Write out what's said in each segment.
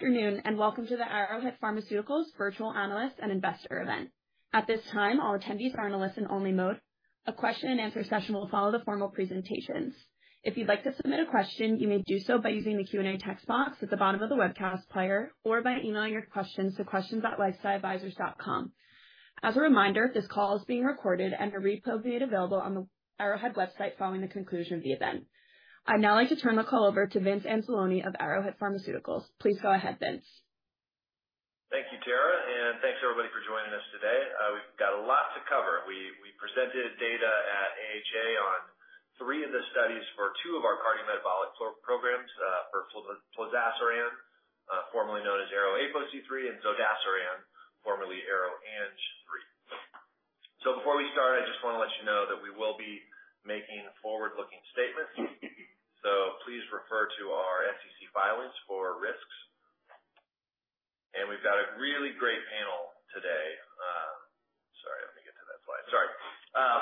Good afternoon, and welcome to the Arrowhead Pharmaceuticals Virtual Analyst and Investor event. At this time, all attendees are in a listen-only mode. A question-and-answer session will follow the formal presentations. If you'd like to submit a question, you may do so by using the Q&A text box at the bottom of the webcast player or by emailing your questions to questions@lifesciadvisors.com. As a reminder, this call is being recorded and a replay will be available on the Arrowhead website following the conclusion of the event. I'd now like to turn the call over to Vince Anzalone of Arrowhead Pharmaceuticals. Please go ahead, Vince. Thank you, Tara, and thanks, everybody, for joining us today. We've got a lot to cover. We presented data at AHA on three of the studies for two of our cardiometabolic programs, for Plozasiran, formerly known as ARO-APOC3, and Zodasiran, formerly ARO-ANG3. Before we start, I just want to let you know that we will be making forward-looking statements. Please refer to our SEC filings for risks. We've got a really great panel today. Sorry, let me get to that slide. Sorry.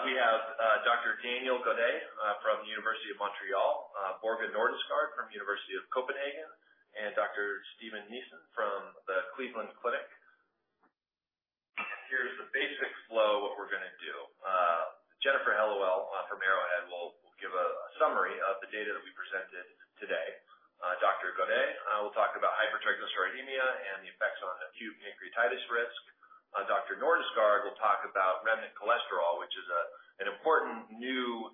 We have Dr. Daniel Gaudet from the Université de Montréal, Børge Nordestgaard from University of Copenhagen, and Dr. Steven Nissen from the Cleveland Clinic. Here's the basic flow, what we're gonna do. Jennifer Hellewell from Arrowhead will give a summary of the data that we presented today. Dr. Gaudet will talk about hypertriglyceridemia and the effects on acute pancreatitis risk. Dr. Nordestgaard will talk about remnant cholesterol, which is an important new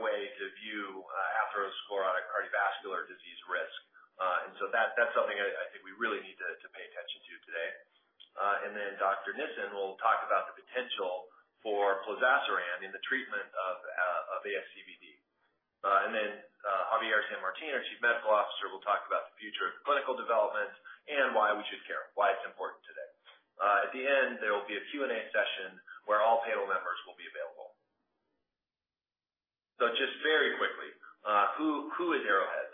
way to view atherosclerotic cardiovascular disease risk. And so that's something I think we really need to pay attention to today. And then Dr. Nissen will talk about the potential for Plozasiran in the treatment of ASCVD. And then Javier San Martín, our Chief Medical Officer, will talk about the future of clinical development and why we should care, why it's important today. At the end, there will be a Q&A session where all panel members will be available. So just very quickly, who is Arrowhead?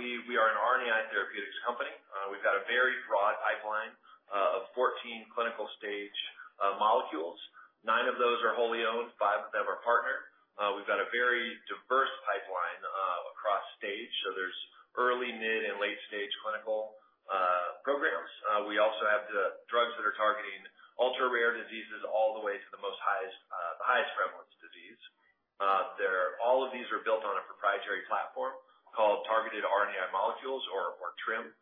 We are an RNAi therapeutics company. We've got a very broad pipeline of 14 clinical-stage molecules. Nine of those are wholly owned, five of them are partnered. We've got a very diverse pipeline across stage, so there's early, mid-, and late-stage clinical programs. We also have the drugs that are targeting ultra-rare diseases all the way to the most highest, the highest prevalence disease. They're all of these are built on a proprietary platform called Targeted RNAi Molecules, or TRIM.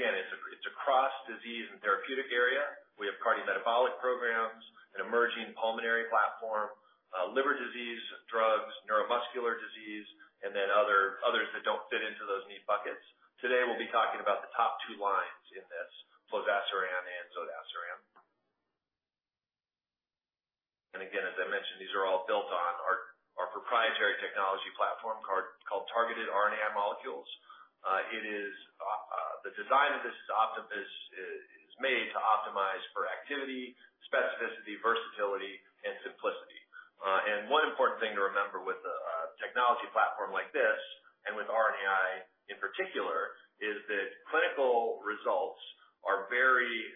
And we've got a strong balance sheet to move all these programs through clinical development and toward commercialization. And the last is we have an initiative called 20 in 2025, which is our goal to have 20 individual drugs in either clinical development or marketed by the year 2025. So here's how our pipeline looks today. Again, it's across disease and therapeutic area. We have cardiometabolic programs, an emerging pulmonary platform, liver disease drugs, neuromuscular disease, and then other others that don't fit into those neat buckets. Today, we'll be talking about the top two lines in this, Plozasiran and Zodasiran. And again, as I mentioned, these are all built on our proprietary technology platform called Targeted RNAi Molecules. It is the design of this octopus-inspired is made to optimize for activity, specificity, versatility, and simplicity. And one important thing to remember with a technology platform like this, and with RNAi in particular, is that clinical results are very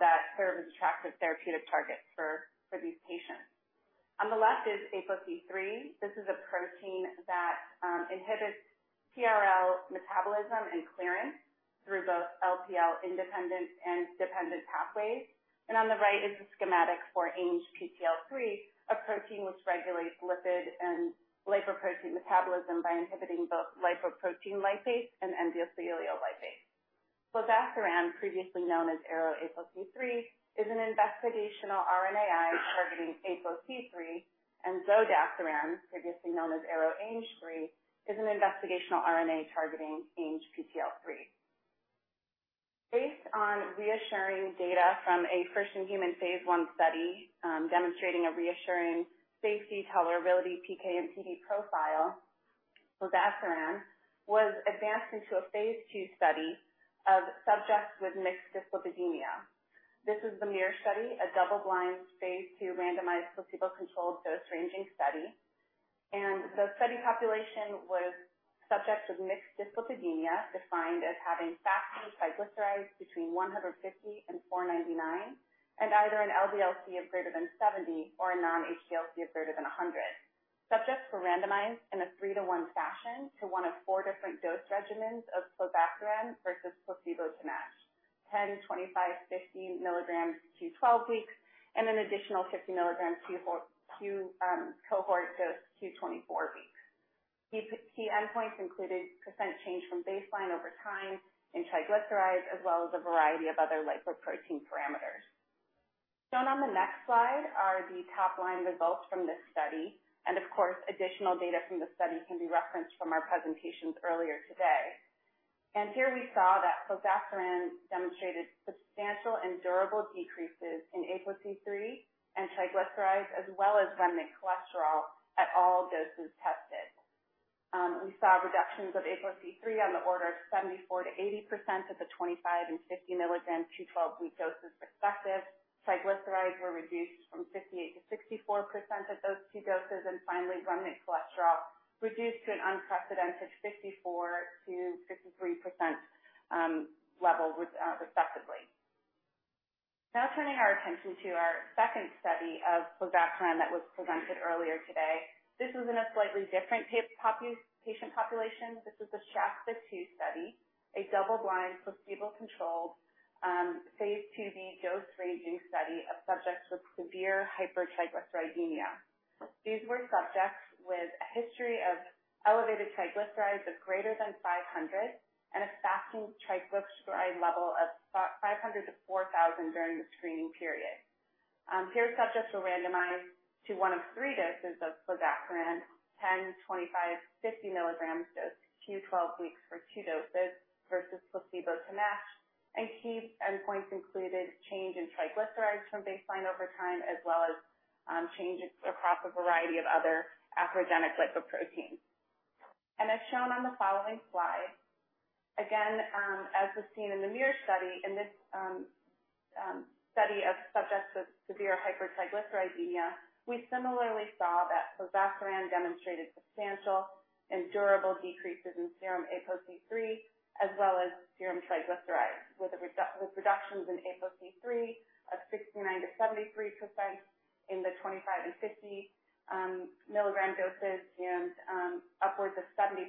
that serve as attractive therapeutic targets for, for these patients. On the left is APOC3. This is a protein that inhibits TRL metabolism and clearance through both LPL independent and dependent pathways. On the right is a schematic for ANGPTL3, a protein which regulates lipid and lipoprotein metabolism by inhibiting both lipoprotein lipase and endothelial lipase. Plozasiran, previously known as ARO-APOC3, is an investigational RNAi targeting APOC3, and Zodasiran, previously known as ARO-ANG3, is an investigational RNA targeting ANGPTL3. Based on reassuring data from a first-in-human phase I study, demonstrating a reassuring safety, tolerability, PK, and PD profile, Zodasiran was advanced into a phase II study of subjects with mixed dyslipidemia. This is the MUIR study, a double-blind, phase II randomized, placebo-controlled, dose-ranging study. The study population was subjects with mixed dyslipidemia, defined as having fasting triglycerides between 150 and 499, and either an LDL-C of greater than 70 or a non-HDL-C of greater than 100. Subjects were randomized in a 3:1 fashion to one of four different dose regimens of Zodasiran versus placebo to match: 10mg, 25mg, 50mg to 12 weeks, and an 50 mg Q24W cohort to 24 weeks. Key, key endpoints included percent change from baseline over time in triglycerides, as well as a variety of other lipoprotein parameters. Shown on the next slide are the top-line results from this study. And of course, additional data from the study can be referenced from our presentations earlier today. And here we saw that Plozasiran demonstrated substantial and durable decreases in ApoC3 and triglycerides, as well as remnant cholesterol at all doses tested. We saw reductions of ApoC3 on the order of 74%-80% at the 25mg and 50mg 12-week doses respectively. Triglycerides were reduced from 58%-64% at those two doses. And finally, remnant cholesterol reduced to an unprecedented 54%-63% level, respectively. Now turning our attention to our second study of Plozasiran that was presented earlier today. This was in a slightly different patient population. This is the SHASTA-2 study, a double-blind, placebo-controlled, phase 2b dose-ranging study of subjects with severe hypertriglyceridemia. These were subjects with a history of elevated triglycerides of greater than 500, and a fasting triglyceride level of 500-4,000 during the screening period. Here, subjects were randomized to one of three doses of Plozasiran, 10mg, 25mg, 50mg dose to 12 weeks for two doses versus placebo to match. Key endpoints included change in triglycerides from baseline over time, as well as changes across a variety of other atherogenic lipoproteins. As shown on the following slide, again, as was seen in the MUIR study, in this study of subjects with severe hypertriglyceridemia, we similarly saw that Plozasiran demonstrated substantial and durable decreases in serum ApoC3, as well as serum triglycerides, with reductions in ApoC3 of 69%-73% in the 25mg and 50mg doses, and upwards of 70%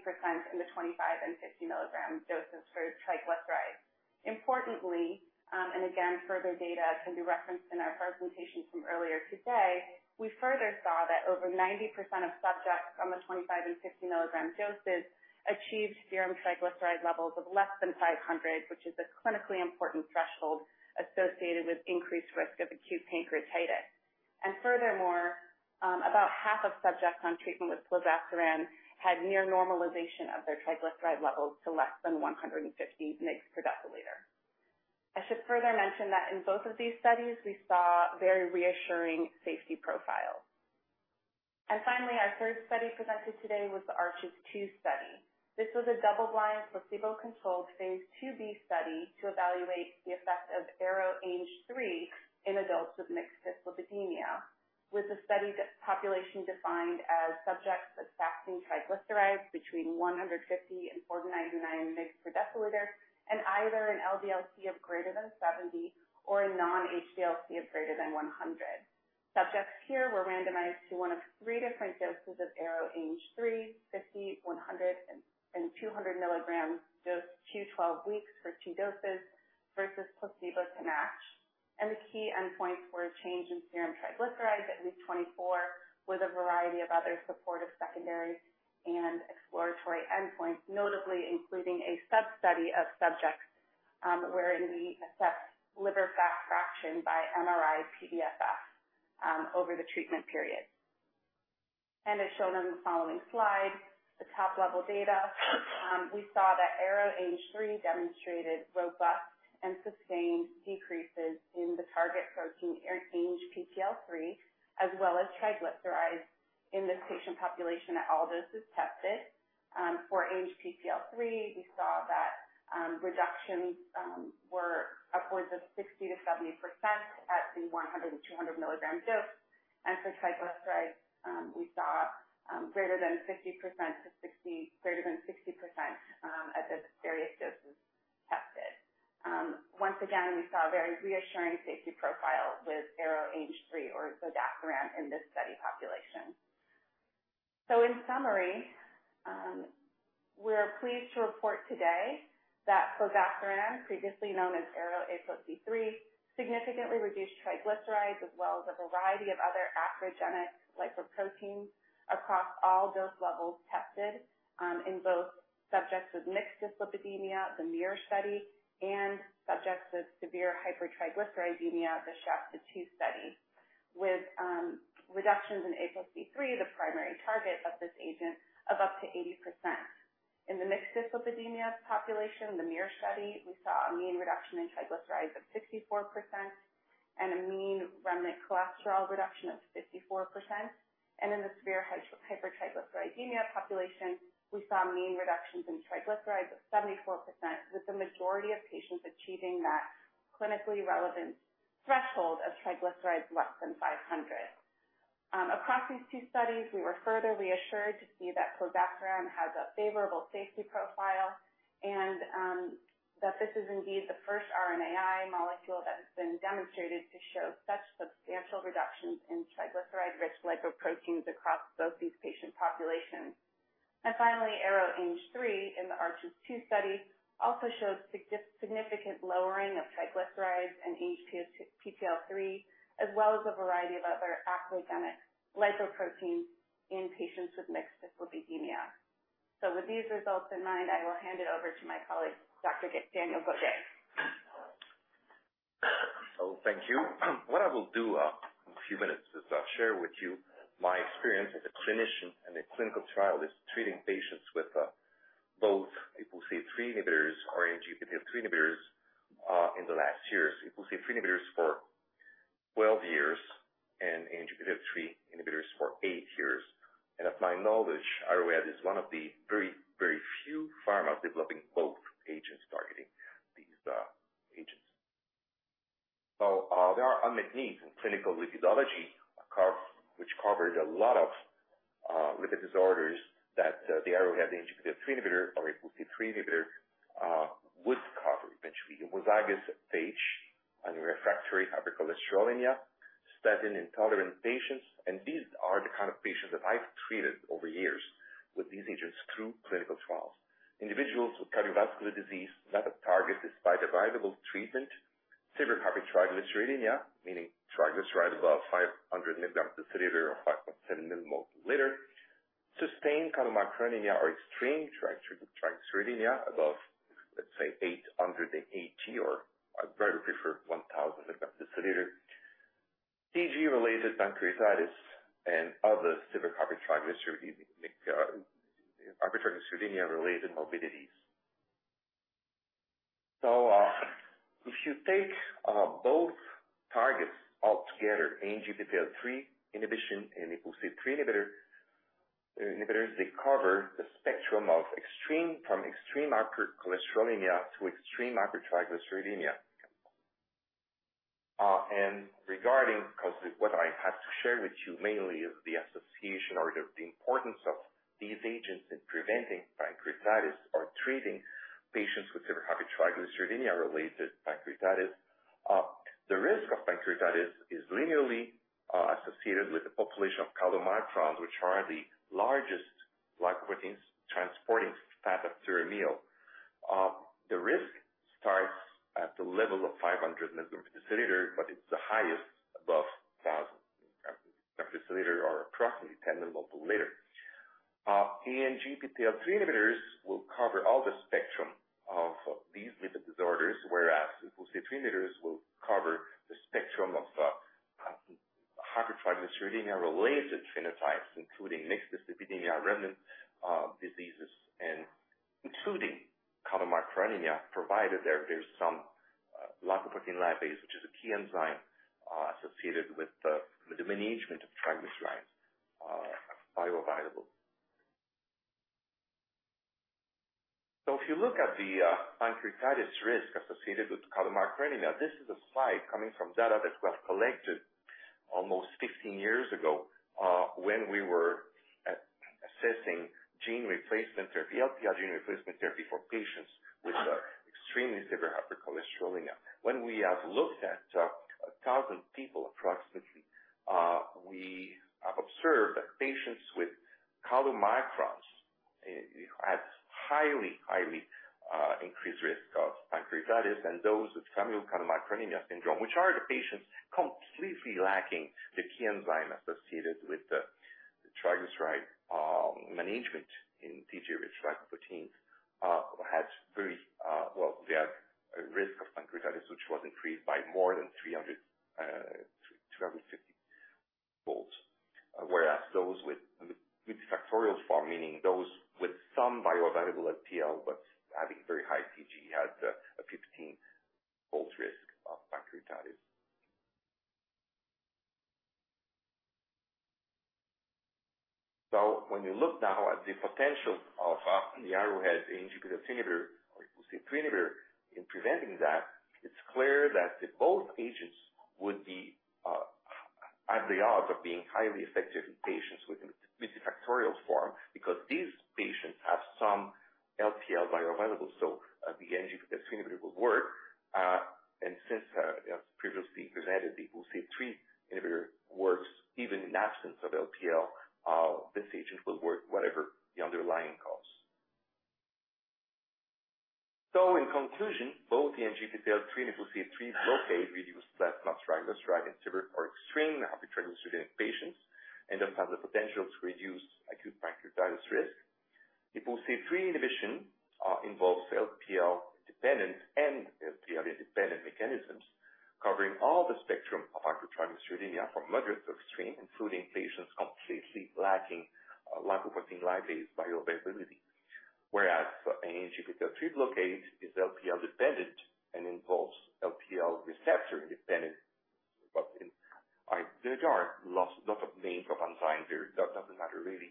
in the 25mg and 50mg doses for triglycerides. Importantly, and again, further data can be referenced in our presentation from earlier today, we further saw that over 90% of subjects on the 25mg and 50mg doses achieved serum triglyceride levels of less than 500, which is a clinically important threshold associated with increased risk of acute pancreatitis. Furthermore, about half of subjects on treatment with Plozasiran had near normalization of their triglyceride levels to less than 150 mg per deciliter. I should further mention that in both of these studies, we saw very reassuring safety profiles. And finally, our third study presented today was the ARCHES-2 study. This was a double-blind, placebo-controlled phase 2b study to evaluate the effect of ARO-ANG3 in adults with mixed dyslipidemia, with the study population defined as subjects with fasting triglycerides between 150mg -499 mg per deciliter, and either an LDL-C of greater than 70 or a non-HDL-C of greater than 100. Subjects here were randomized to one of three different doses of ARO-ANG3, 50mg, 100mg, and 200mg doses to 12 weeks for two doses versus placebo to match. The key endpoints were a change in serum triglycerides at week 24, with a variety of other supportive, secondary, and exploratory endpoints, notably including a substudy of subjects, wherein we assessed liver fat fraction by MRI-PDFF, over the treatment period. As shown on the following slide, the top-level data. We saw that ARO-ANG3 demonstrated robust and sustained decreases in the target protein ANGPTL3, as well as triglycerides in this patient population at all doses tested. For ANGPTL3, we saw that reductions were upwards of 60%-70% at the 100mg and 200mg dose. For triglycerides, we saw greater than 50%-60%, greater than 60%, at the various doses tested. Once again, we saw a very reassuring safety profile with ARO-ANG3 or Zodasiran in this study population. So in summary, we're pleased to report today that Plozasiran, previously known as ARO-APOC3, significantly reduced triglycerides, as well as a variety of other atherogenic lipoproteins across all dose levels tested, in both subjects with mixed dyslipidemia, the MUIR study, and subjects with severe hypertriglyceridemia, the SHASTA-2 study, with reductions in ApoC3, the primary target of this agent, of up to 80%. In the mixed dyslipidemia population, the MUIR study, we saw a mean reduction in triglycerides of 64% and a mean remnant cholesterol reduction of 54%. In the severe hypertriglyceridemia population, we saw mean reductions in triglycerides of 74%, with the majority of patients achieving that clinically relevant threshold of triglycerides less than 500. Across these two studies, we were further reassured to see that Zodasiran has a favorable safety profile and that this is indeed the first RNAi molecule that has been demonstrated to show such substantial reductions in triglyceride-rich lipoproteins across both these patient populations. Finally, ARO-ANG3 in the ARCHES-2 study also showed significant lowering of triglycerides and ANGPTL3, as well as a variety of other apolipoproteins lipoproteins in patients with mixed dyslipidemia. So with these results in mind, I will hand it over to my colleague, Dr. Daniel Gaudet. So thank you. What I will do, in a few minutes is I'll share with you my experience as a clinician in a clinical trial that's treating patients with, both ApoC3 inhibitors or ANGPTL3 inhibitors, in the last years. ApoC3 inhibitors for 12 years and ANGPTL3 inhibitors for eight years. And of my knowledge, Arrowhead is one of the very, very few pharma developing both agents targeting these, agents. So, there are unmet needs in clinical lipidology, which covers a lot of, lipid disorders that, the Arrowhead ANGPTL3 inhibitor or ApoC3 inhibitor, would cover eventually. Homozygous FH and refractory hypercholesterolemia, statin-intolerant patients, and these are the kind of patients that I've treated over years with these agents through clinical trials. Individuals with cardiovascular disease, not a target, despite available treatment. Severe hypertriglyceridemia, meaning triglycerides above 500mg per deciliter or 5.7 millimoles per liter. Sustained chylomicronemia or extreme triglycerides above, let's say, 880mg or I'd rather prefer 1,000mg per deciliter. TG-related pancreatitis and other severe hypertriglyceridemia, hypertriglyceridemia-related morbidities. So, if you take both targets altogether, ANGPTL3 inhibition and ApoC3 inhibitor, inhibitors, they cover the spectrum of extreme, from extreme hypercholesterolemia to extreme hypertriglyceridemia. And regarding, 'cause what I have to share with you mainly is the association or the, the importance of these agents in preventing pancreatitis or treating patients with severe hypertriglyceridemia-related pancreatitis. The risk of pancreatitis is linearly associated with the population of chylomicrons, which are the largest lipoproteins transporting fat after a meal. The risk starts at the level of 500 mg per deciliter, but it's the highest above 1000 mg per deciliter or approximately 10 millimoles per liter. ANGPTL3 inhibitors will cover all the spectrum of these lipid disorders, whereas APOC3 inhibitors will cover the spectrum of hypertriglyceridemia-related phenotypes, including mixed dyslipidemia, remnant diseases, and including chylomicronemia, provided there's some lipoprotein lipase, which is a key enzyme associated with the management of triglycerides bioavailable. So if you look at the pancreatitis risk associated with chylomicronemia, this is a slide coming from data that was collected almost 15 years ago, when we were assessing gene replacement therapy, LPL gene replacement therapy for patients with extremely severe hypercholesterolemia. When we have looked at 1,000 people, approximately, we have observed that patients with chylomicrons has highly, highly increased risk of pancreatitis and those with familial chylomicronemia syndrome, which are the patients completely lacking the key enzyme associated with the triglyceride management in TG rich lipoproteins, had very... Well, they had a risk of pancreatitis, which was increased by more than 300 300 and 50 folds. Whereas those with multifactorial form, meaning those with some bioavailable LPL, but having very high TG, had a 15 fold risk of pancreatitis. So when you look now at the potential of the Arrowhead ANGPTL3 inhibitor or ApoC3 inhibitor in preventing that, it's clear that both agents would be high odds of being highly effective in patients with a multifactorial form, because these patients have some LPL bioavailable. So, the ANGPTL3 inhibitor would work. And since, as previously presented, the ApoC3 inhibitor works even in absence of LPL, this agent will work whatever the underlying cause. So in conclusion, both the ANGPTL3 and ApoC3 blockade reduce plasma triglyceride in severe or extreme hypertriglyceridemia patients and thus have the potential to reduce acute pancreatitis risk. ApoC3 inhibition involves LPL dependent and LPL independent mechanisms, covering all the spectrum of hypertriglyceridemia from moderate to extreme, including patients completely lacking lipoprotein lipase bioavailability. Whereas ANGPTL3 blockade is LPL dependent and involves LPL receptor independent, but there are lots, lot of names of enzymes there. That doesn't matter really.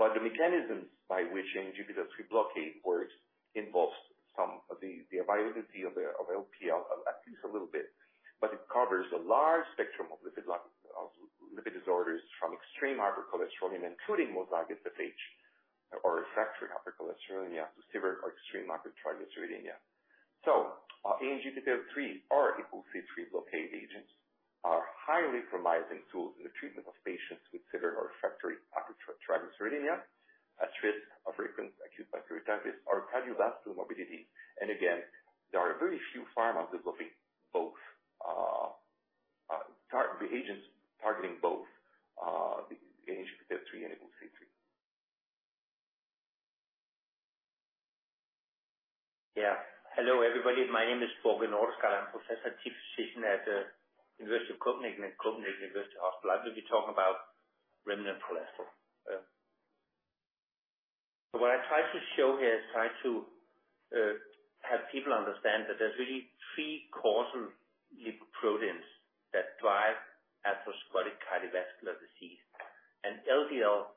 But the mechanisms by which ANGPTL3 blockade works involves some of the availability of LPL, at least a little bit, but it covers a large spectrum of lipid disorders from extreme hypercholesterolemia, including homozygous FH or refractory hypercholesterolemia to severe or extreme hypertriglyceridemia. So, ANGPTL3 or ApoC3 blockade agents are highly promising tools in the treatment of patients with severe refractory hypertriglyceridemia, acute pancreatitis, or cardiovascular morbidity. And again, there are very few pharma developing both the agents targeting both the ANGPTL3 and ApoC3. Yeah. Hello, everybody. My name is Børge Nordestgaard. I'm professor and chief physician at University of Copenhagen and Copenhagen University Hospital. I will be talking about remnant cholesterol. So what I try to show here is try to have people understand that there's really three causal lipoproteins that drive atherosclerotic cardiovascular disease. And LDL,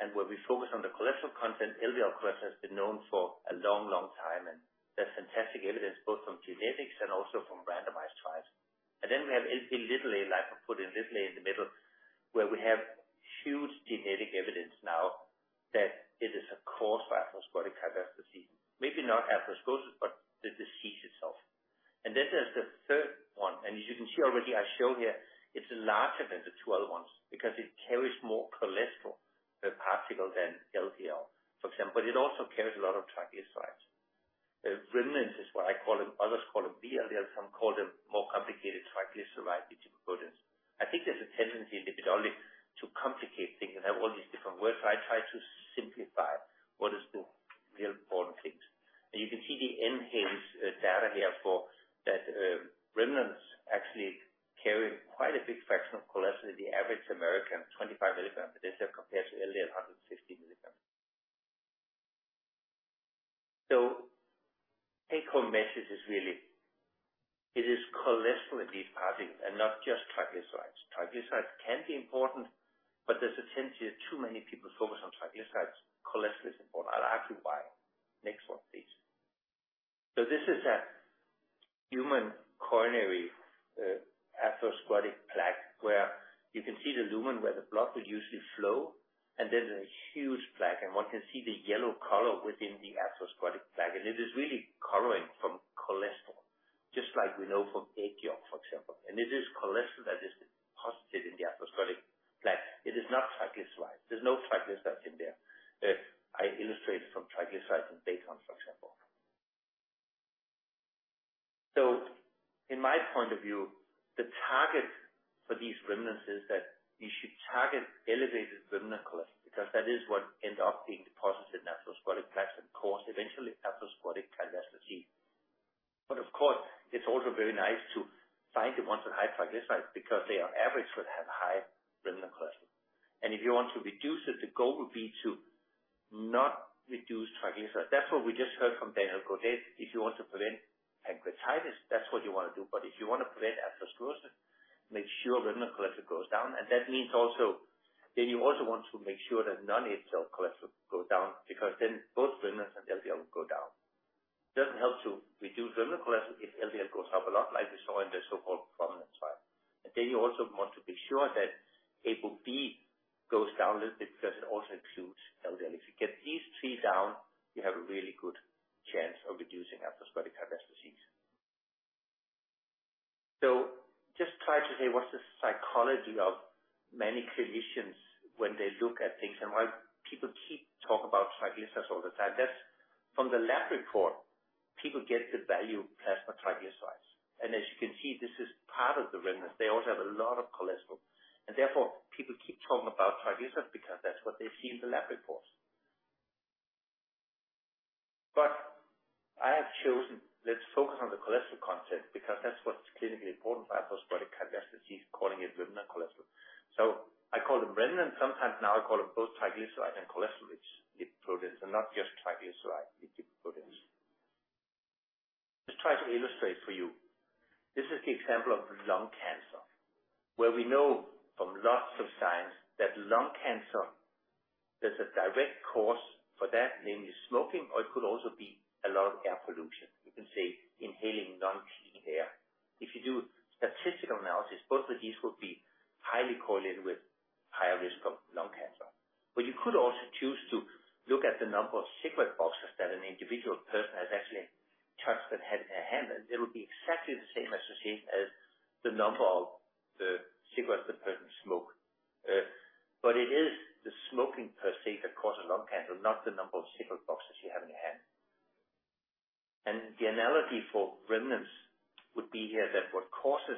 and where we focus on the cholesterol content, LDL cholesterol has been known for a long, long time, and there's fantastic evidence, both from genetics and also from randomized trials. And then we have Lp(a), like I put it literally in the middle, where we have huge genetic evidence now that it is a cause for atherosclerotic cardiovascular disease, maybe not atherosclerosis, but the disease itself. And then there's the third one, and as you can see already, I show here it's larger than the two other ones because it carries more cholesterol per particle than LDL, for example, but it also carries a lot of triglycerides. Remnants is what I call them. Others call them VLDLs. Some call them more complicated triglyceride-rich lipoproteins. I think there's a tendency in lipidology to complicate things and have all these different words. So I try to simplify what is the real important things. And you can see the NHANES data here for that, remnants actually carry quite a big fraction of cholesterol in the average American, 25 mg, but they say compared to LDL, 160 mg. So take-home message is really, it is cholesterol in these particles and not just triglycerides. Triglycerides can be important, but there's a tendency that too many people focus on triglycerides. Cholesterol is important, and I'll ask you why. Next one, please. So this is a human coronary atherosclerotic plaque, where you can see the lumen where the blood would usually flow, and there's a huge plaque, and one can see the yellow color within the atherosclerotic plaque. And it is really coloring from cholesterol, just like we know from echo, for example, and it is cholesterol that is deposited in the atherosclerotic plaque. It is not triglyceride. There's no triglycerides in there. I illustrate it from triglycerides and bacon, for example. So in my point of view, the target for these remnants is that you should target elevated remnant cholesterol, because that is what ends up being deposited in atherosclerotic plaque and cause eventually atherosclerotic cardiovascular disease. But of course, it's also very nice to find the ones with high triglycerides because they are average would have high remnant cholesterol. And if you want to reduce it, the goal would be to not reduce triglycerides. That's what we just heard from Daniel Gaudet. If you want to prevent pancreatitis, that's what you want to do. But if you want to prevent atherosclerosis, make sure remnant cholesterol goes down, and that means also, then you also want to make sure that non-HDL cholesterol go down, because then both remnants and LDL go down. It doesn't help to reduce remnant cholesterol if LDL goes up a lot, like we saw in the so-called PROMINENT trial. And then you also want to be sure that ApoB goes down a little bit because it also includes LDL. If you get these three down, you have a really good chance of reducing atherosclerotic cardiovascular disease. So just try to say: What's the psychology of many clinicians when they look at things and why people keep talking about triglycerides all the time? That's from the lab report. People get the value plasma triglycerides, and as you can see, this is part of the remnants. They also have a lot of cholesterol, and therefore, people keep talking about triglycerides because that's what they see in the lab reports. But I have chosen, let's focus on the cholesterol content, because that's what's clinically important for atherosclerotic cardiovascular disease, calling it remnant cholesterol. So I call them remnant. Sometimes now I call them both triglycerides and cholesterol-rich lipoproteins and not just triglyceride-rich lipoproteins. Just try to illustrate for you. This is the example of lung cancer, where we know from lots of science that lung cancer, there's a direct cause for that, namely smoking, or it could also be a lot of air pollution. You can say inhaling non-clean air. If you do statistical analysis, both of these will be highly correlated with higher risk of lung cancer. But you could also choose to look at the number of cigarette boxes that an individual person has actually touched and had in their hand, and it would be exactly the same association as the number of the cigarettes the person smoked. But it is the smoking per se that causes lung cancer, not the number of cigarette boxes you have in your hand. The analogy for remnants would be here that what causes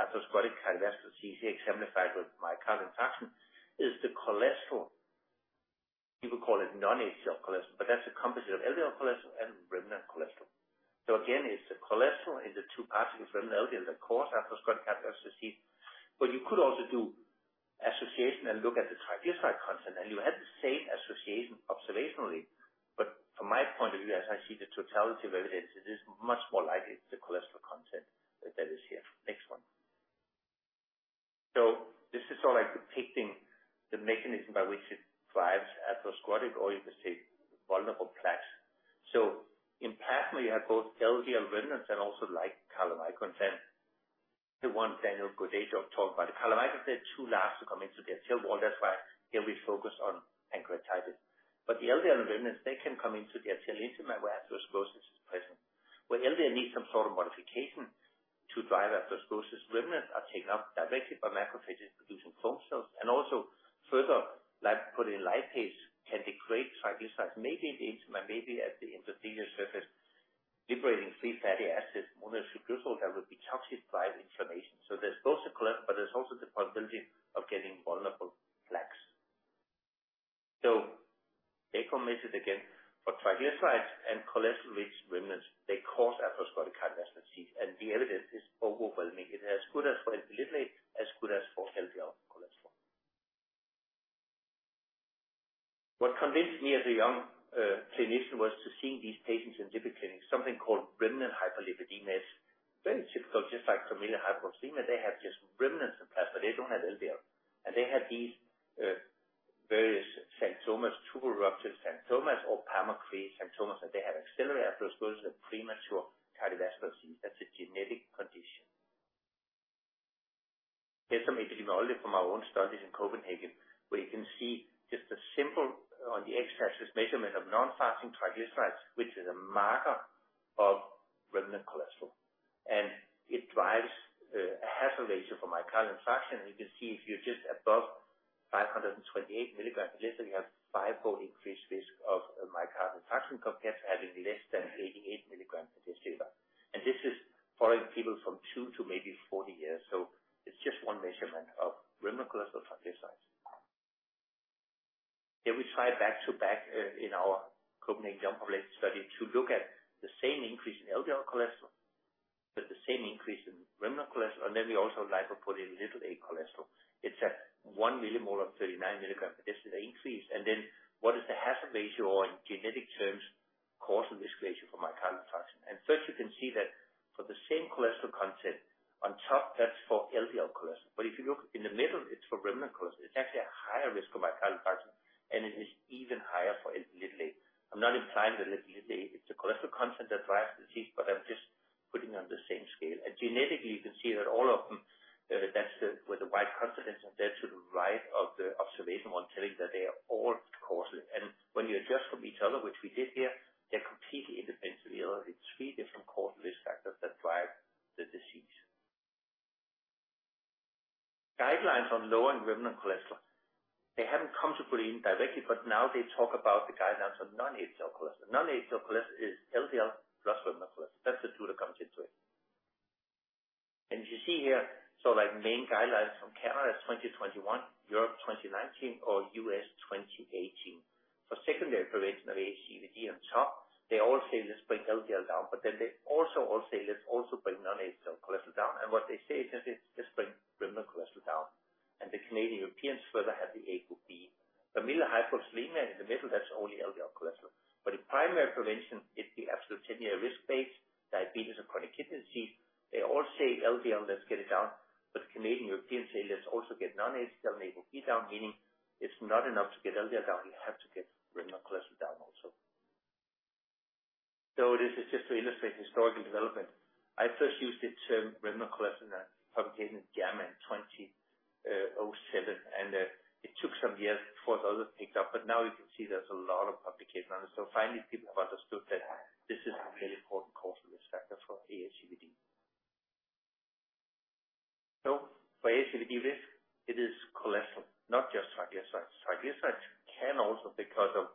atherosclerotic cardiovascular disease, exemplified with myocardial infarction, is the cholesterol. People call it non-HDL cholesterol, but that's a composite of LDL cholesterol and remnant cholesterol. So again, it's the cholesterol in the two particles, remnant LDL, that cause atherosclerotic cardiovascular disease. But you could also do association and look at the triglyceride content, and you had the same association observationally. But from my point of view, as I see the totality of evidence, it is much more likely it's the cholesterol content that is here. Next one. So this is sort of like depicting the mechanism by which it drives atherosclerotic, or you could say, vulnerable plaques. So in plasma, you have both LDL remnants and also chylomicron content. The one Daniel Gaudet talked about, the chylomicron, they're too large to come into the arterial wall. That's why he'll be focused on pancreatitis. But the LDL remnants, they can come into the arterial intima, where atherosclerosis is present, where LDL needs some sort of modification to drive atherosclerosis. Remnants are taken up directly by macrophages producing foam cells, and also further, lipoprotein lipase can degrade triglycerides, maybe in the intima, maybe at the endothelial surface, liberating free fatty acids, monoglycerol, that will be toxic, drive inflammation. So there's also chyle, but there's also the possibility of getting vulnerable plaques. So they committed again, for triglycerides and cholesterol-rich remnants, they cause atherosclerotic cardiovascular disease, and the evidence is overwhelming. It's as good as for as for LDL, as good as for LDL cholesterol. What convinced me as a young clinician was to seeing these patients in lipid clinic, something called remnant hyperlipidemia. It's very typical, just like familial hyperlipidemia, they have just remnants of plasma. They don't have LDL, and they have these various xanthomas, tubereruptive xanthomas, or xanthelasma xanthomas, and they have accelerated atherosclerosis and premature cardiovascular disease. That's a genetic condition. Here's some epidemiology from our own studies in Copenhagen, where you can see just a simple, on the X-axis, measurement of non-fasting triglycerides, which is a marker of remnant cholesterol. It drives a hazard ratio for myocardial infarction, and you can see if you're just above 528mg, literally, you have fivefold increased risk of myocardial infarction, compared to having less than 88mg per deciliter. This is following people from two to maybe 40 years, so it's just one measurement of remnant cholesterol triglycerides. Here we try back-to-back in our Copenhagen Young Population Study to look at the same increase in LDL cholesterol, with the same increase in remnant cholesterol, and then we also Lp(a) cholesterol. It's at 1 millimole or 39mg per deciliter increase. And then what is the hazard ratio or in genetic terms, causal risk ratio for myocardial infarction? And first, you can see that for the same cholesterol content on top, that's for LDL cholesterol. But if you look in the middle, it's for remnant cholesterol. It's actually a higher risk for myocardial infarction, and it is even higher for Lp(a). I'm not implying that Lp(a) it's a cholesterol content that drives disease, but I'm just putting on the same scale. Genetically, you can see that all of them, that's the, with the wide confidence, and there to the right of the observation, one telling that they are all causal. When you adjust from each other, which we did here, they're completely independently, three different causal risk factors that drive the disease. Guidelines on lowering remnant cholesterol. They haven't come to put in directly, but now they talk about the guidelines for non-HDL cholesterol. Non-HDL cholesterol is LDL plus remnant cholesterol. That's the two that comes into it. You see here, so like main guidelines from Canada, 2021, Europe, 2019, or U.S., 2018. For secondary prevention of ASCVD on top, they all say, Let's bring LDL down, but then they also all say, Let's also bring non-HDL cholesterol down. And what they say is, Let's bring remnant cholesterol down. And the Canadian Europeans further have the ApoB. Familial hyperlipemia in the middle, that's only LDL cholesterol, but in primary prevention, it's the absolute ten-year risk-based diabetes or chronic kidney disease. They all say, LDL, let's get it down, but Canadian Europeans say, Let's also get non-HDL and ApoB down, meaning it's not enough to get LDL down, you have to get remnant cholesterol down also. So this is just to illustrate historical development. I first used the term remnant cholesterol in a publication in JAMA in 2007, and it took some years before the others picked up, but now you can see there's a lot of publication on it. So finally, people have understood that this is a very important causal risk factor for ASCVD. So for ASCVD risk, it is cholesterol, not just triglycerides. Triglycerides can also, because of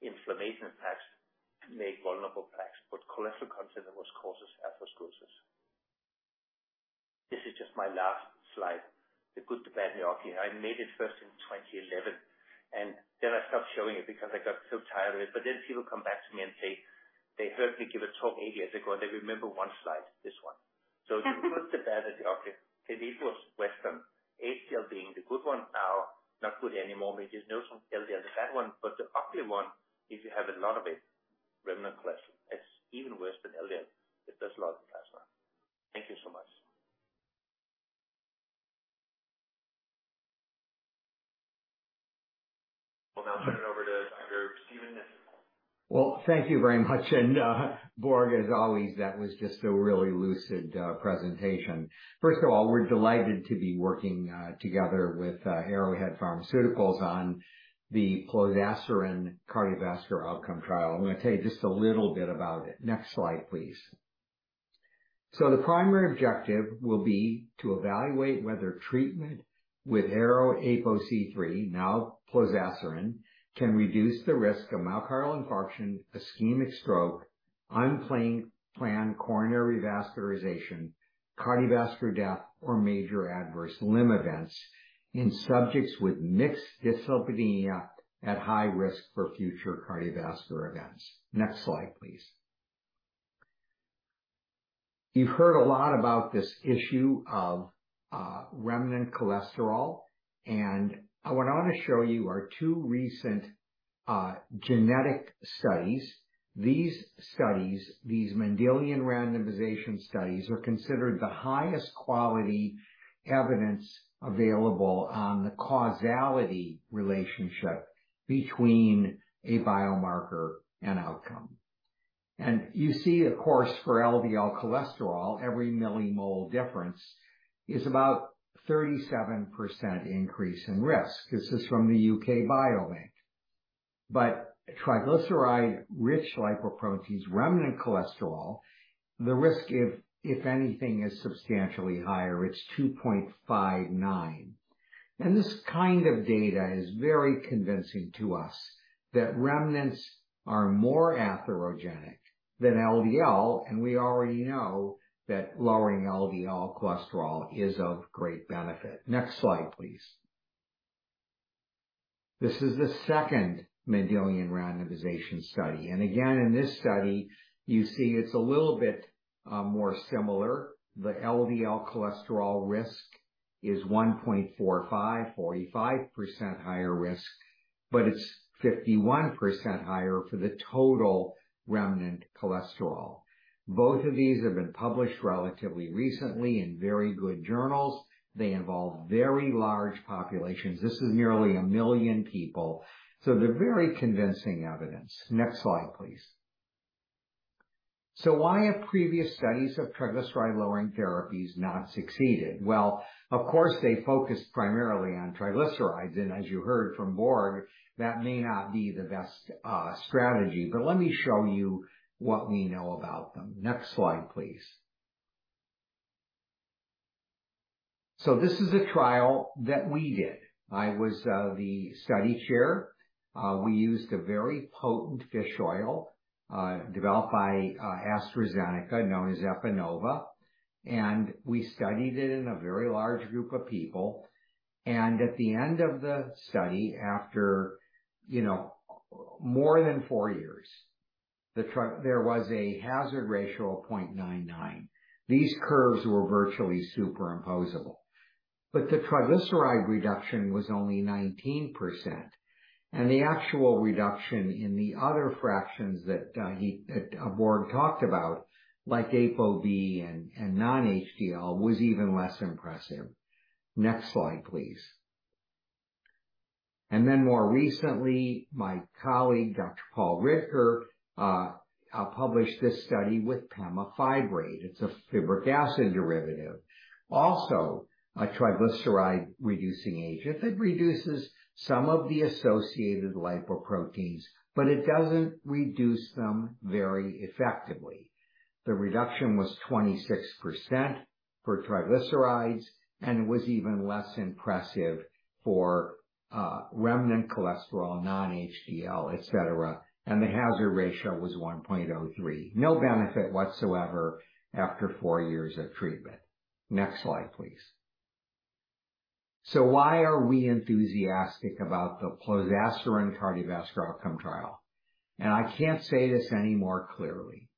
inflammation plaques, make vulnerable plaques, but cholesterol content, of course, causes atherosclerosis. This is just my last slide, the good, the bad, and the ugly. I made it first in 2011, and then I stopped showing it because I got so tired of it. But then people come back to me and say they heard me give a talk eight years ago, and they remember one slide, this one. So the good, the bad, and the ugly. HDL being the good one, now not good anymore. We just know some LDL, the bad one, but the ugly one, if you have a lot of it, remnant cholesterol. It's even worse than LDL. It does a lot of plasma. Thank you so much. We'll now turn it over to Dr. Steven Nissen. Well, thank you very much, and, Børge, as always, that was just a really lucid presentation. First of all, we're delighted to be working together with Arrowhead Pharmaceuticals on the Plozasiran cardiovascular outcome trial. I'm gonna tell you just a little bit about it. Next slide, please. So the primary objective will be to evaluate whether treatment with ARO-APOC3, now Plozasiran, can reduce the risk of myocardial infarction, ischemic stroke, unplanned coronary revascularization, cardiovascular death, or major adverse limb events in subjects with mixed dyslipidemia at high risk for future cardiovascular events. Next slide, please. You've heard a lot about this issue of remnant cholesterol, and what I want to show you are two recent genetic studies. These studies, these Mendelian randomization studies, are considered the highest quality evidence available on the causality relationship between a biomarker and outcome. And you see, of course, for LDL cholesterol, every millimole difference is about 37% increase in risk. This is from the UK Biobank. But triglyceride-rich lipoproteins, remnant cholesterol, the risk, if anything, is substantially higher; it's 2.59. And this kind of data is very convincing to us that remnants are more atherogenic than LDL, and we already know that lowering LDL cholesterol is of great benefit. Next slide, please. This is the second Mendelian randomization study, and again, in this study, you see it's a little bit more similar. The LDL cholesterol risk is 1.45, 45% higher risk, but it's 51% higher for the total remnant cholesterol. Both of these have been published relatively recently in very good journals. They involve very large populations. This is nearly a million people, so they're very convincing evidence. Next slide, please. So why have previous studies of triglyceride-lowering therapies not succeeded? Well, of course, they focused primarily on triglycerides, and as you heard from Borg, that may not be the best strategy, but let me show you what we know about them. Next slide, please. So this is a trial that we did. I was the study chair. We used a very potent fish oil developed by AstraZeneca, known as Epanova, and we studied it in a very large group of people. And at the end of the study, after you know more than four years, there was a hazard ratio of 0.99. These curves were virtually superimposable, but the triglyceride reduction was only 19%, and the actual reduction in the other fractions that he that Borg talked about, like ApoB and non-HDL, was even less impressive. Next slide, please. Then more recently, my colleague, Dr. Paul Ridker, published this study with Gemfibrozil. It's a fibric acid derivative, also a triglyceride-reducing agent. It reduces some of the associated lipoproteins, but it doesn't reduce them very effectively. The reduction was 26% for triglycerides and was even less impressive for remnant cholesterol, non-HDL, et cetera, and the hazard ratio was 1.03. No benefit whatsoever after four years of treatment. Next slide, please. So why are we enthusiastic about the Plozasiran cardiovascular outcome trial? And I can't say this any more clearly.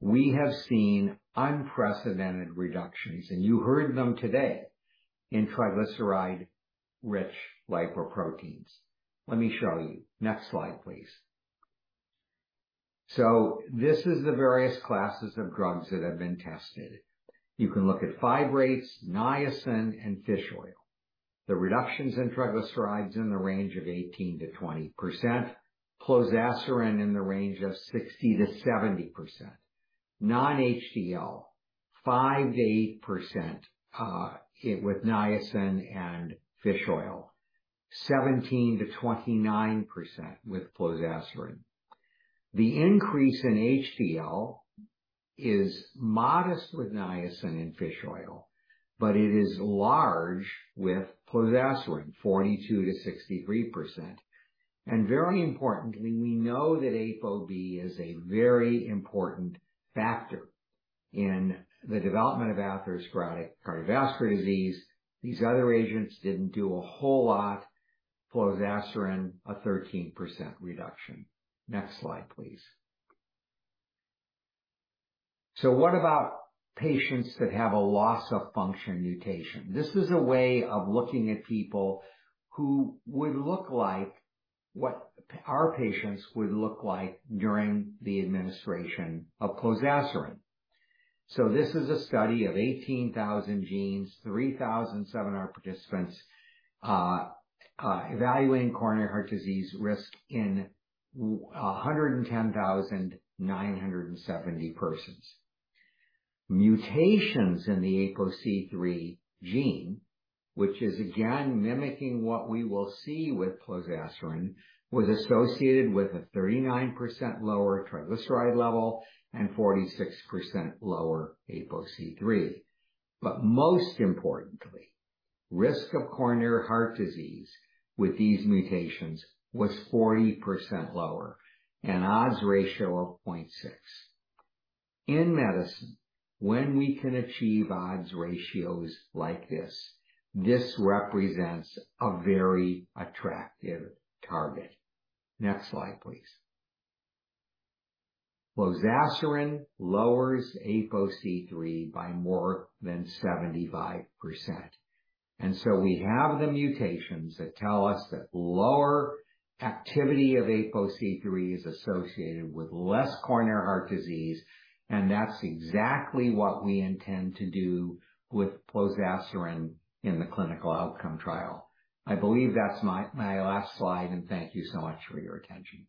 We have seen unprecedented reductions, and you heard them today, in triglyceride-rich lipoproteins. Let me show you. Next slide, please. So this is the various classes of drugs that have been tested. You can look at fibrates, niacin, and fish oil. The reductions in triglycerides in the range of 18%-20%, ApoC3 in the range of 60%-70%. Non-HDL, 5%-8%, it with niacin and fish oil, 17%-29% with ApoC3. The increase in HDL is modest with niacin and fish oil, but it is large with ApoC3, 42%-63%. And very importantly, we know that ApoB is a very important factor in the development of atherosclerotic cardiovascular disease. These other agents didn't do a whole lot. ApoC3, a 13% reduction. Next slide, please. So what about patients that have a loss-of-function mutation? This is a way of looking at people who would look like what our patients would look like during the administration of ApoC3. So this is a study of 18,000 genes, 3,007 participants, evaluating coronary heart disease risk in 110,970 persons. Mutations in the APOC3 gene, which is again mimicking what we will see with Plozasiran, was associated with a 39% lower triglyceride level and 46% lower APOC3. But most importantly, risk of coronary heart disease with these mutations was 40% lower, an odds ratio of 0.6. In medicine, when we can achieve odds ratios like this, this represents a very attractive target. Next slide, please. Plozasiran lowers APOC3 by more than 75%, and so we have the mutations that tell us that lower activity of APOC3 is associated with less coronary heart disease, and that's exactly what we intend to do with Plozasiran in the clinical outcome trial. I believe that's my, my last slide, and thank you so much for your attention.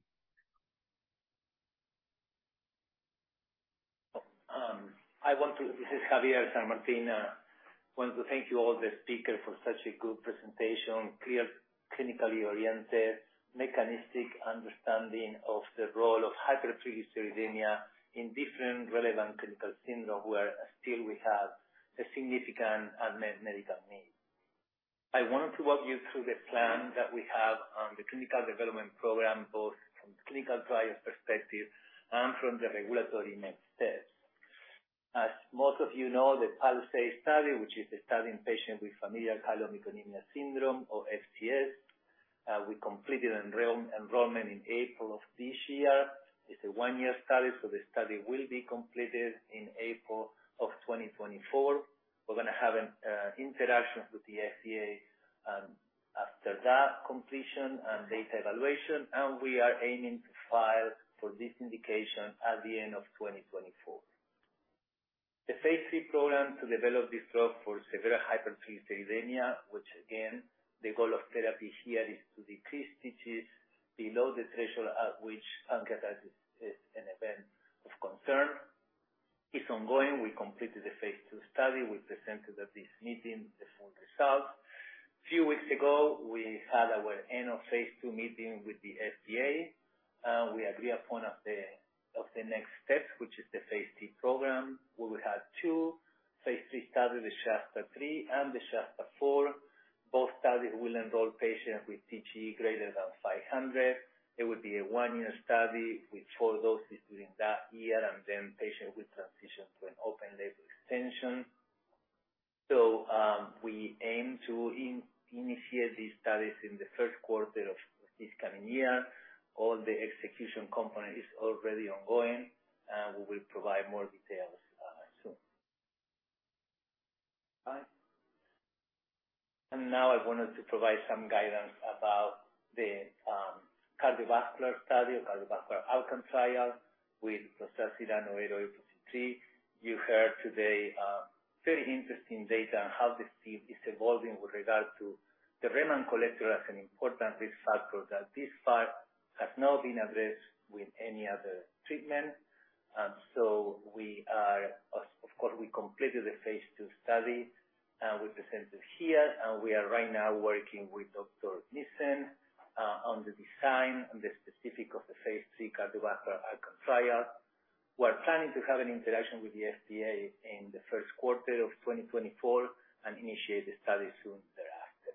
This is Javier San Martín. I want to thank you, all the speakers, for such a good presentation, clear, clinically oriented, mechanistic understanding of the role of hypertriglyceridemia in different relevant clinical syndrome, where still we have a significant unmet medical need. I wanted to walk you through the plan that we have on the clinical development program, both from clinical trials perspective and from the regulatory next steps. As most of you know, the PALISADE study, which is a study in patients with familial chylomicronemia syndrome or FCS, we completed enrollment in April of this year. It's a one-year study, so the study will be completed in April of 2024. We're going to have an interaction with the FDA after that completion and data evaluation, and we are aiming to file for this indication at the end of 2024. The phase III program to develop this drug for severe hypertriglyceridemia, which again, the goal of therapy here is to decrease TGs below the threshold at which pancreatitis is an event of concern, is ongoing. We completed the phase II study. We presented at this meeting the full results. A few weeks ago, we had our end of phase II meeting with the FDA. We agree upon the next steps, which is the phase III program, where we had two phase III studies, the SHASTA-3 and the SHASTA-4. Both studies will involve patients with TG greater than 500. It would be a one-year study with four doses during that year, and then patients will transition to an open label extension. So, we aim to initiate these studies in the first quarter of this coming year. All the execution component is already ongoing, and we will provide more details soon. All right. Now I wanted to provide some guidance about the cardiovascular study, cardiovascular outcome trial with Plozasiran or ApoC-III. You heard today very interesting data on how this field is evolving with regard to the remnant cholesterol as an important risk factor, that this part has not been addressed with any other treatment. So we are, of course, we completed the phase II study we presented here, and we are right now working with Dr. Nissen on the design and the specifics of the phase III cardiovascular outcome trial. We are planning to have an interaction with the FDA in the first quarter of 2024 and initiate the study soon thereafter.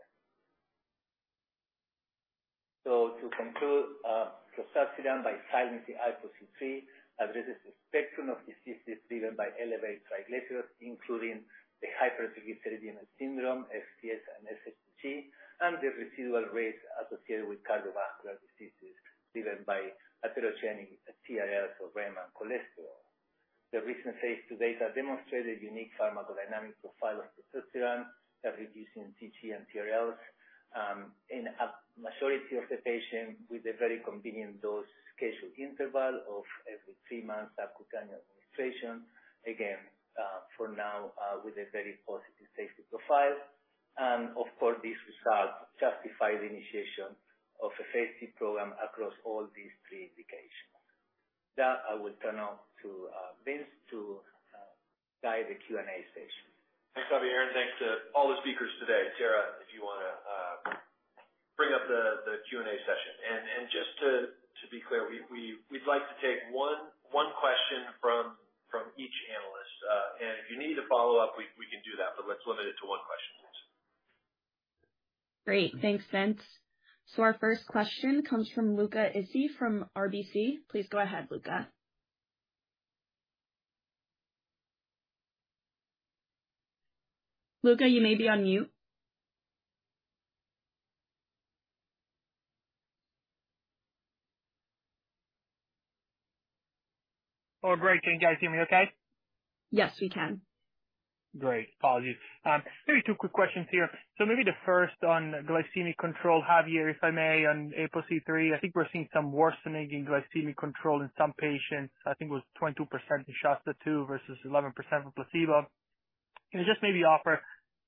So to conclude, Plozasiran by silencing the ApoC-III, addresses the spectrum of diseases driven by elevated triglycerides, including the hypertriglyceridemia syndrome, FCS and SHTG, and the residual risk associated with cardiovascular diseases driven by atherogenic TRLs or remnant cholesterol. The recent phase II data demonstrated unique pharmacodynamic profile of Plozasiran that reducing TG and TRLs in a majority of the patients with a very convenient dose scheduling interval of every three months subcutaneous administration. Again, for now, with a very positive safety profile. And of course, these results justify the initiation of a phase III program across all these three indications. That I will turn over to Vince to guide the Q&A session. Thanks, Javier, and thanks to all the speakers today. Tara, if you want to bring up the Q&A session. And just to be clear, we'd like to take one question from each analyst. And if you need to follow up, we can do that, but let's limit it to one question please. Great. Thanks, Vince. So our first question comes from Luca Issi from RBC. Please go ahead, Luca. Luca, you may be on mute. Oh, great. Can you guys hear me okay? Yes, we can. Great. Apologies. Maybe two quick questions here. So maybe the first on glycemic control, Javier, if I may, on ApoC-III. I think we're seeing some worsening in glycemic control in some patients. I think it was 22% in SHASTA-2 versus 11% for placebo.... Can you just maybe offer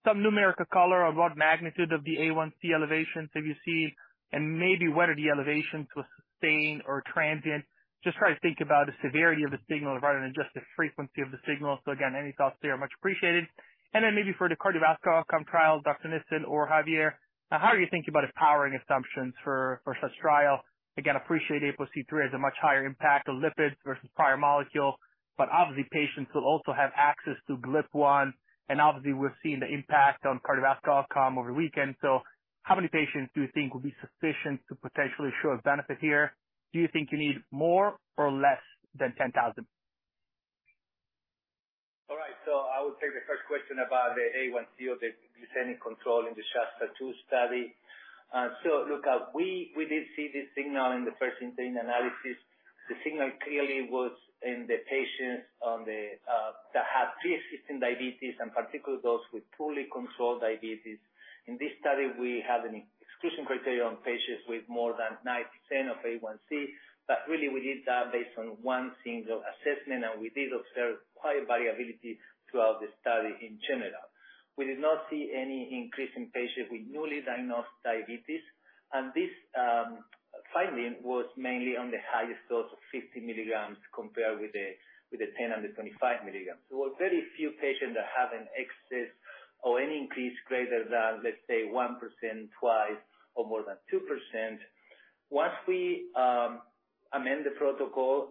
some numerical color on what magnitude of the A1C elevations have you seen, and maybe whether the elevations were sustained or transient? Just try to think about the severity of the signal rather than just the frequency of the signal. So again, any thoughts there are much appreciated. And then maybe for the cardiovascular outcome trial, Dr. Nissen or Javier, how are you thinking about the powering assumptions for such trial? Again, appreciate APOC3 has a much higher impact on lipids versus prior molecule, but obviously, patients will also have access to GLP-1, and obviously, we've seen the impact on cardiovascular outcome over the weekend. So how many patients do you think will be sufficient to potentially show a benefit here? Do you think you need more or less than 10,000? All right, so I will take the first question about the A1C or the glycemic control in the SHASTA-2 study. So look, as we, we did see this signal in the first interim analysis. The signal clearly was in the patients on the, that had pre-existing diabetes, and particularly those with poorly controlled diabetes. In this study, we have an exclusion criteria on patients with more than 9% A1C, but really we did that based on one single assessment, and we did observe high variability throughout the study in general. We did not see any increase in patients with newly diagnosed diabetes, and this finding was mainly on the highest dose of 50 mg compared with the, with the 10 mg and the 25 mg. There were very few patients that have an excess or any increase greater than, let's say, 1% twice, or more than 2%. Once we amend the protocol,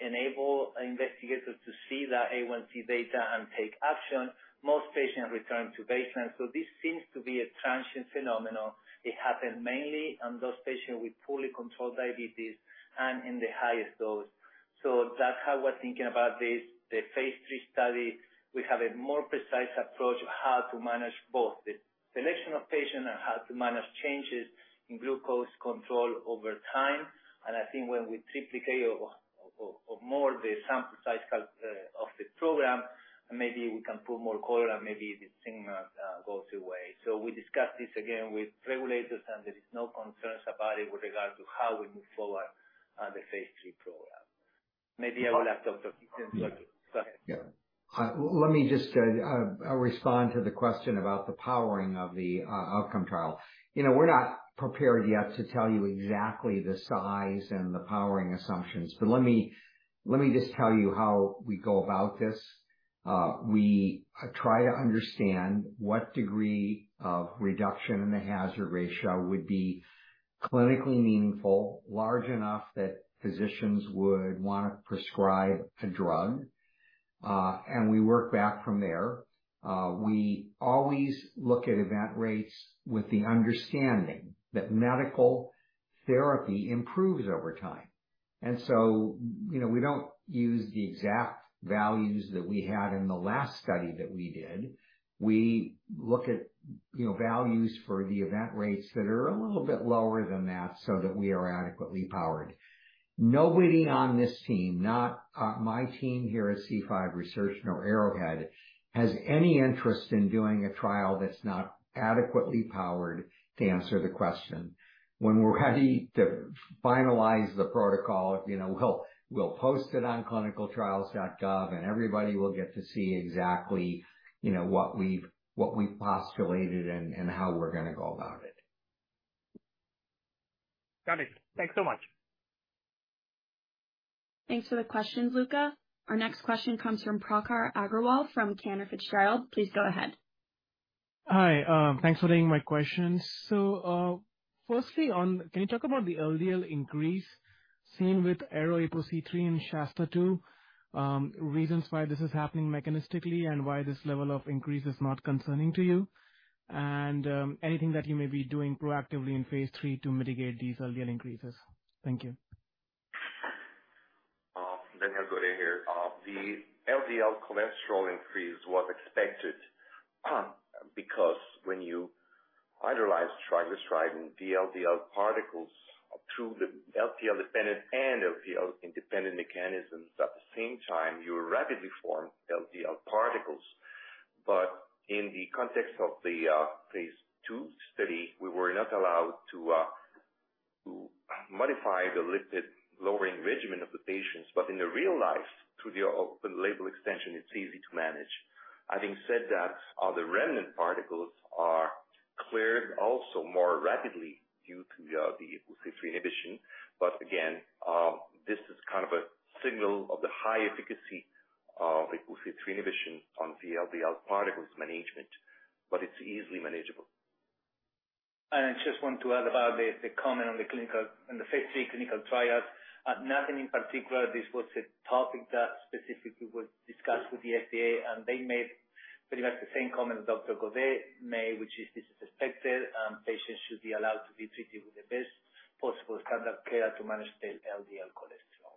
enable investigators to see that A1C data and take action, most patients return to baseline. So this seems to be a transient phenomenon. It happened mainly on those patients with poorly controlled diabetes and in the highest dose. So that's how we're thinking about this. The phase 3 study, we have a more precise approach of how to manage both the selection of patients and how to manage changes in glucose control over time. And I think when we triplicate of, of, of more the sample size, of the program, maybe we can pull more color and maybe the signal goes away. We discussed this again with regulators, and there is no concerns about it with regard to how we move forward on the phase III program. Maybe I will ask Dr. Nissen. Yeah. Go ahead. Yeah. Let me just respond to the question about the powering of the outcome trial. You know, we're not prepared yet to tell you exactly the size and the powering assumptions, but let me just tell you how we go about this. We try to understand what degree of reduction in the hazard ratio would be clinically meaningful, large enough that physicians would want to prescribe a drug, and we work back from there. We always look at event rates with the understanding that medical therapy improves over time. And so, you know, we don't use the exact values that we had in the last study that we did. We look at, you know, values for the event rates that are a little bit lower than that so that we are adequately powered. Nobody on this team, not my team here at C5 Research, nor Arrowhead, has any interest in doing a trial that's not adequately powered to answer the question. When we're ready to finalize the protocol, you know, we'll post it on clinicaltrials.gov, and everybody will get to see exactly, you know, what we've postulated and how we're going to go about it. Got it. Thanks so much. Thanks for the questions, Luca. Our next question comes from Prakhar Agrawal from Cantor Fitzgerald. Please go ahead. Hi, thanks for taking my questions. So, firstly, on... Can you talk about the LDL increase seen with ARO-APOC3 in SHASTA-2? Reasons why this is happening mechanistically, and why this level of increase is not concerning to you? And, anything that you may be doing proactively in phase III to mitigate these LDL increases. Thank you. Daniel Gaudet here. The LDL cholesterol increase was expected, because when you hydrolyze triglyceride and VLDL particles through the LPL-dependent and LPL-independent mechanisms, at the same time, you rapidly form LDL particles. But in the context of the phase two study, we were not allowed to modify the lipid-lowering regimen of the patients. But in the real life, through the open label extension, it's easy to manage. Having said that, the remnant particles are cleared also more rapidly due to the APOC3 inhibition. But again, this is kind of a signal of the high efficacy of APOC3 inhibition on VLDL particles management, but it's easily manageable. I just want to add about the comment on the clinical, on the phase three clinical trials. Nothing in particular, this was a topic that specifically was discussed with the FDA, and they made pretty much the same comment Dr. Gaudet made, which is this is expected, and patients should be allowed to be treated with the best possible standard care to manage their LDL cholesterol.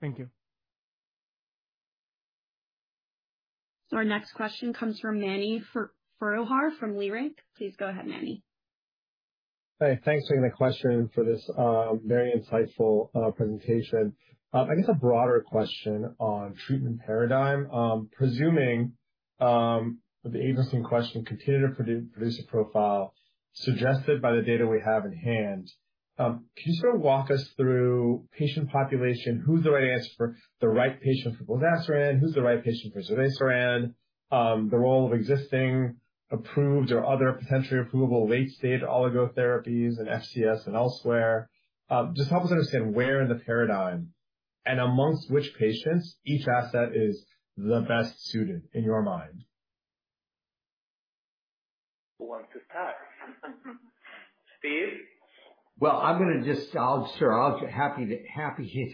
Thank you. So our next question comes from Mani Foroohar from Leerink. Please go ahead, Mani. Hey, thanks for taking the question for this, very insightful, presentation. I guess a broader question on treatment paradigm. Presuming-... The asset in question continued to produce a profile suggested by the data we have in hand. Can you sort of walk us through patient population? Who's the right patient for Plozasiran, who's the right patient for Zodasiran, the role of existing, approved or other potentially approvable late-stage oligotherapies and FCS and elsewhere? Just help us understand where in the paradigm and amongst which patients each asset is the best suited in your mind. Who wants to start? Steve? Well, happy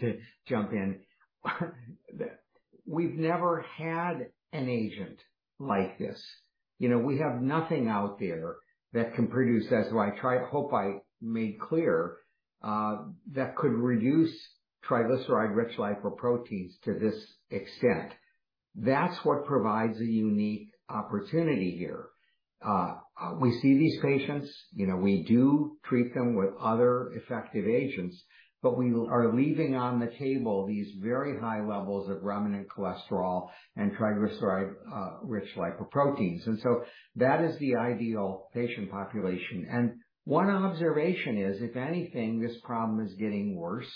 to jump in. We've never had an agent like this. You know, we have nothing out there that can produce, as I try, hope I made clear, that could reduce triglyceride-rich lipoproteins to this extent. That's what provides a unique opportunity here. We see these patients, you know, we do treat them with other effective agents, but we are leaving on the table these very high levels of remnant cholesterol and triglyceride-rich lipoproteins. And so that is the ideal patient population. And one observation is, if anything, this problem is getting worse.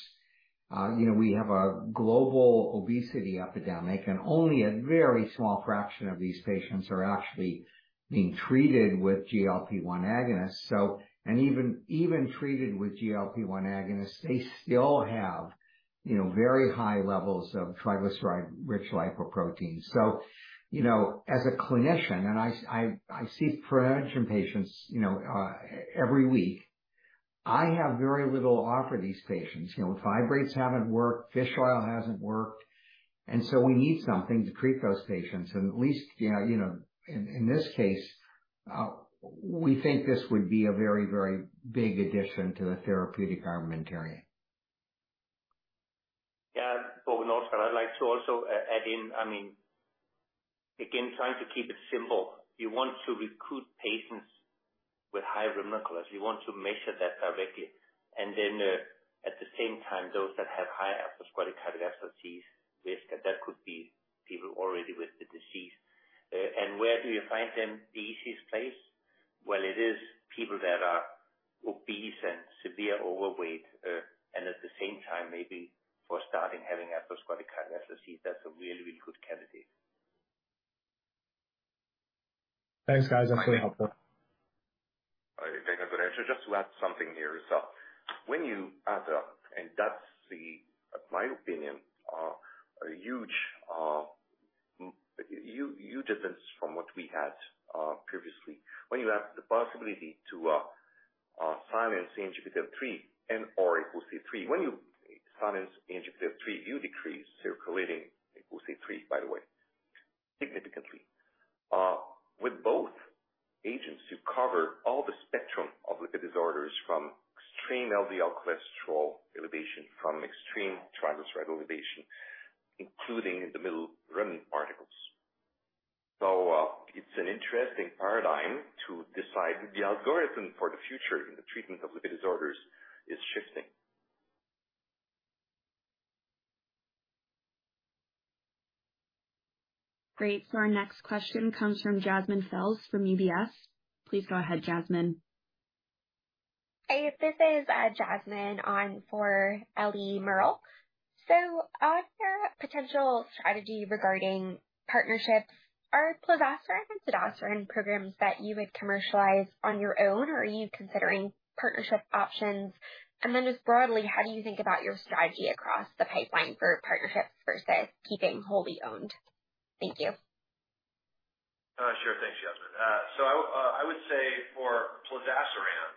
You know, we have a global obesity epidemic, and only a very small fraction of these patients are actually being treated with GLP-1 agonists. So, and even treated with GLP-1 agonists, they still have, you know, very high levels of triglyceride-rich lipoproteins. So, you know, as a clinician, and I see prevention patients, you know, every week, I have very little to offer these patients. You know, fibrates haven't worked, fish oil hasn't worked, and so we need something to treat those patients. And at least, you know, you know, in this case, we think this would be a very, very big addition to the therapeutic armamentarium. Yeah, but also I'd like to also add in. I mean, again, trying to keep it simple. You want to recruit patients with high remnant cholesterol. You want to measure that directly, and then at the same time, those that have high atherosclerotic cardiovascular disease risk, that could be people already with the disease. And where do you find them, the easiest place? Well, it is people that are obese and severe overweight, and at the same time, maybe for starting having atherosclerotic cardiovascular disease. That's a really, really good candidate. Thanks, guys. That's really helpful. Just to add something here. So when you add up, and that's the, my opinion, a huge difference from what we had previously. When you have the possibility to silence the ANGPTL3 and or ApoC3, when you silence the ANGPTL3, you decrease circulating ApoC3, by the way, significantly. With both agents, you cover all the spectrum of lipid disorders from extreme LDL cholesterol elevation, from extreme triglyceride elevation, including the middle remnant particles. So, it's an interesting paradigm to decide the algorithm for the future, and the treatment of lipid disorders is shifting. Great. So our next question comes from Jasmine Grewal from UBS. Please go ahead, Jasmine. Hey, this is Jasmine on for Ellie Merle. So, your potential strategy regarding partnerships, are Plozasiran and Zodasiran programs that you would commercialize on your own, or are you considering partnership options? And then just broadly, how do you think about your strategy across the pipeline for partnerships versus keeping wholly owned? Thank you. Sure. Thanks, Jasmine. So I would say for Plozasiran,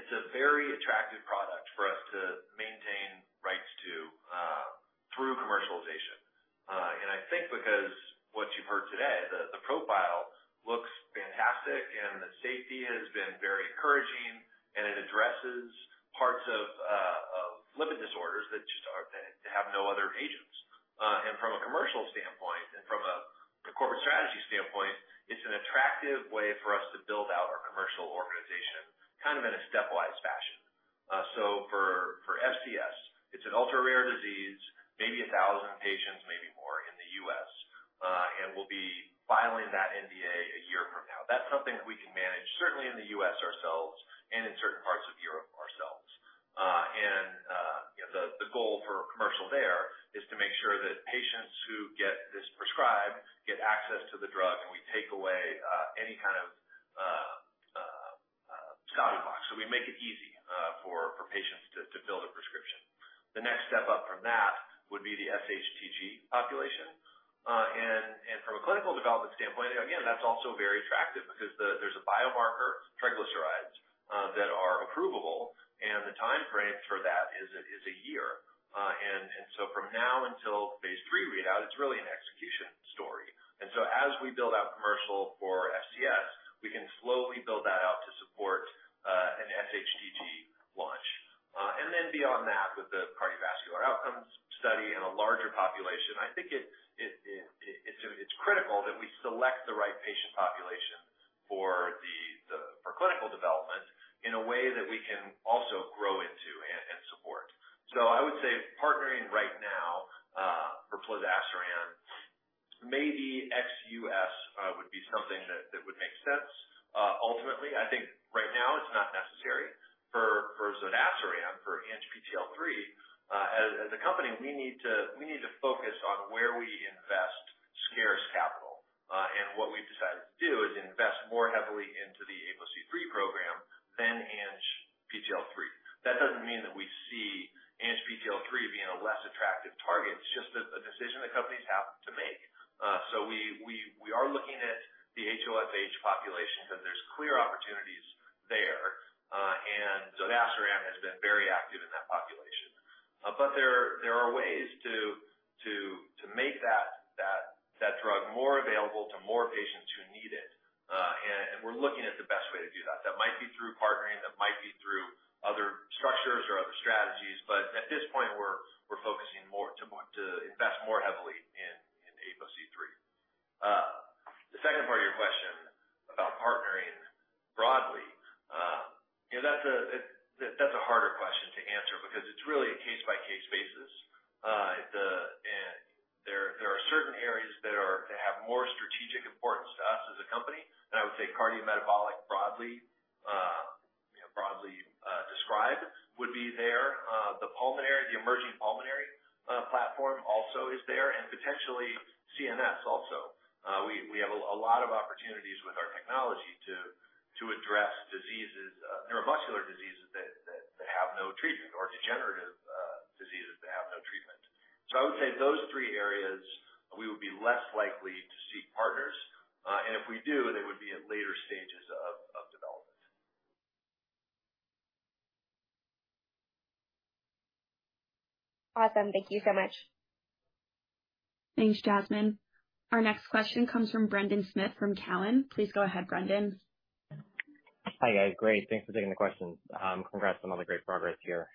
it's a very attractive product for us to maintain rights to through commercialization. And I think because what you've heard today, the profile looks fantastic and the safety has been very encouraging, and it addresses parts of lipid disorders that just are, that have no other agents. And from a commercial standpoint and from a corporate strategy standpoint, it's an attractive way for us to build out our commercial organization, kind of in a stepwise fashion. So for FCS, it's an ultra-rare disease, maybe 1,000 patients, maybe more in the U.S., and we'll be filing that NDA a year from now. That's something that we can manage, certainly in the U.S. ourselves and in certain parts of Europe, ourselves. And you know, the goal for commercial there is to make sure that patients who get this prescribed get access to the drug, and we take away any kind of step edits. So we make it easy for patients to fill a prescription. The next step up from that would be the SHTG population. And from a clinical development standpoint, again, that's also very attractive because there's a biomarker, triglycerides, that are approvable, and the time frame for that is a year. And so from now until phase III readout, it's really an execution story. And so as we build out commercial for FCS, we can slowly build that out to support an SHTG launch. And then beyond that, with the cardiovascular outcomes study in a larger population, I think it's critical that we select the right patient populations for the clinical development in a way that we can also grow into and support. So I would say partnering right now for Zodasiran, maybe ex-US, would be something that would make sense. Ultimately, I think right now it's not necessary for Zodasiran, for ANGPTL3. As a company, we need to focus on where we invest scarce capital. And what we've decided to do is invest more heavily into the APOC3 program than ANGPTL3. That doesn't mean that we see ANGPTL3 being a less attractive target. It's just a decision that companies have to make. So we are looking at the HoFH population, because there's clear opportunities there. And Zodasiran has been very active in that population. But there are ways to make that drug more available to more patients who need it. And we're looking at the best way to do that. That might be through partnering, that might be through other structures or other strategies, but at this point, we're focusing more to invest more heavily in APOC3. The second part of your question about partnering broadly, you know, that's a harder question to answer because it's really a case-by-case basis. It... There are certain areas that have more strategic importance to us as a company, and I would say cardiometabolic, broadly, you know, broadly described, would be there. The pulmonary, the emerging pulmonary platform also is there, and potentially CNS also. We have a lot of opportunities with our technology to address diseases, neuromuscular diseases that have no treatment or degenerative diseases that have no treatment. So I would say those three areas, we would be less likely to seek partners. And if we do, they would be at later stages of development. Awesome. Thank you so much. Thanks, Jasmine. Our next question comes from Brendan Smith, from Cowen. Please go ahead, Brendan. Hi, guys. Great, thanks for taking the questions. Congrats on all the great progress here.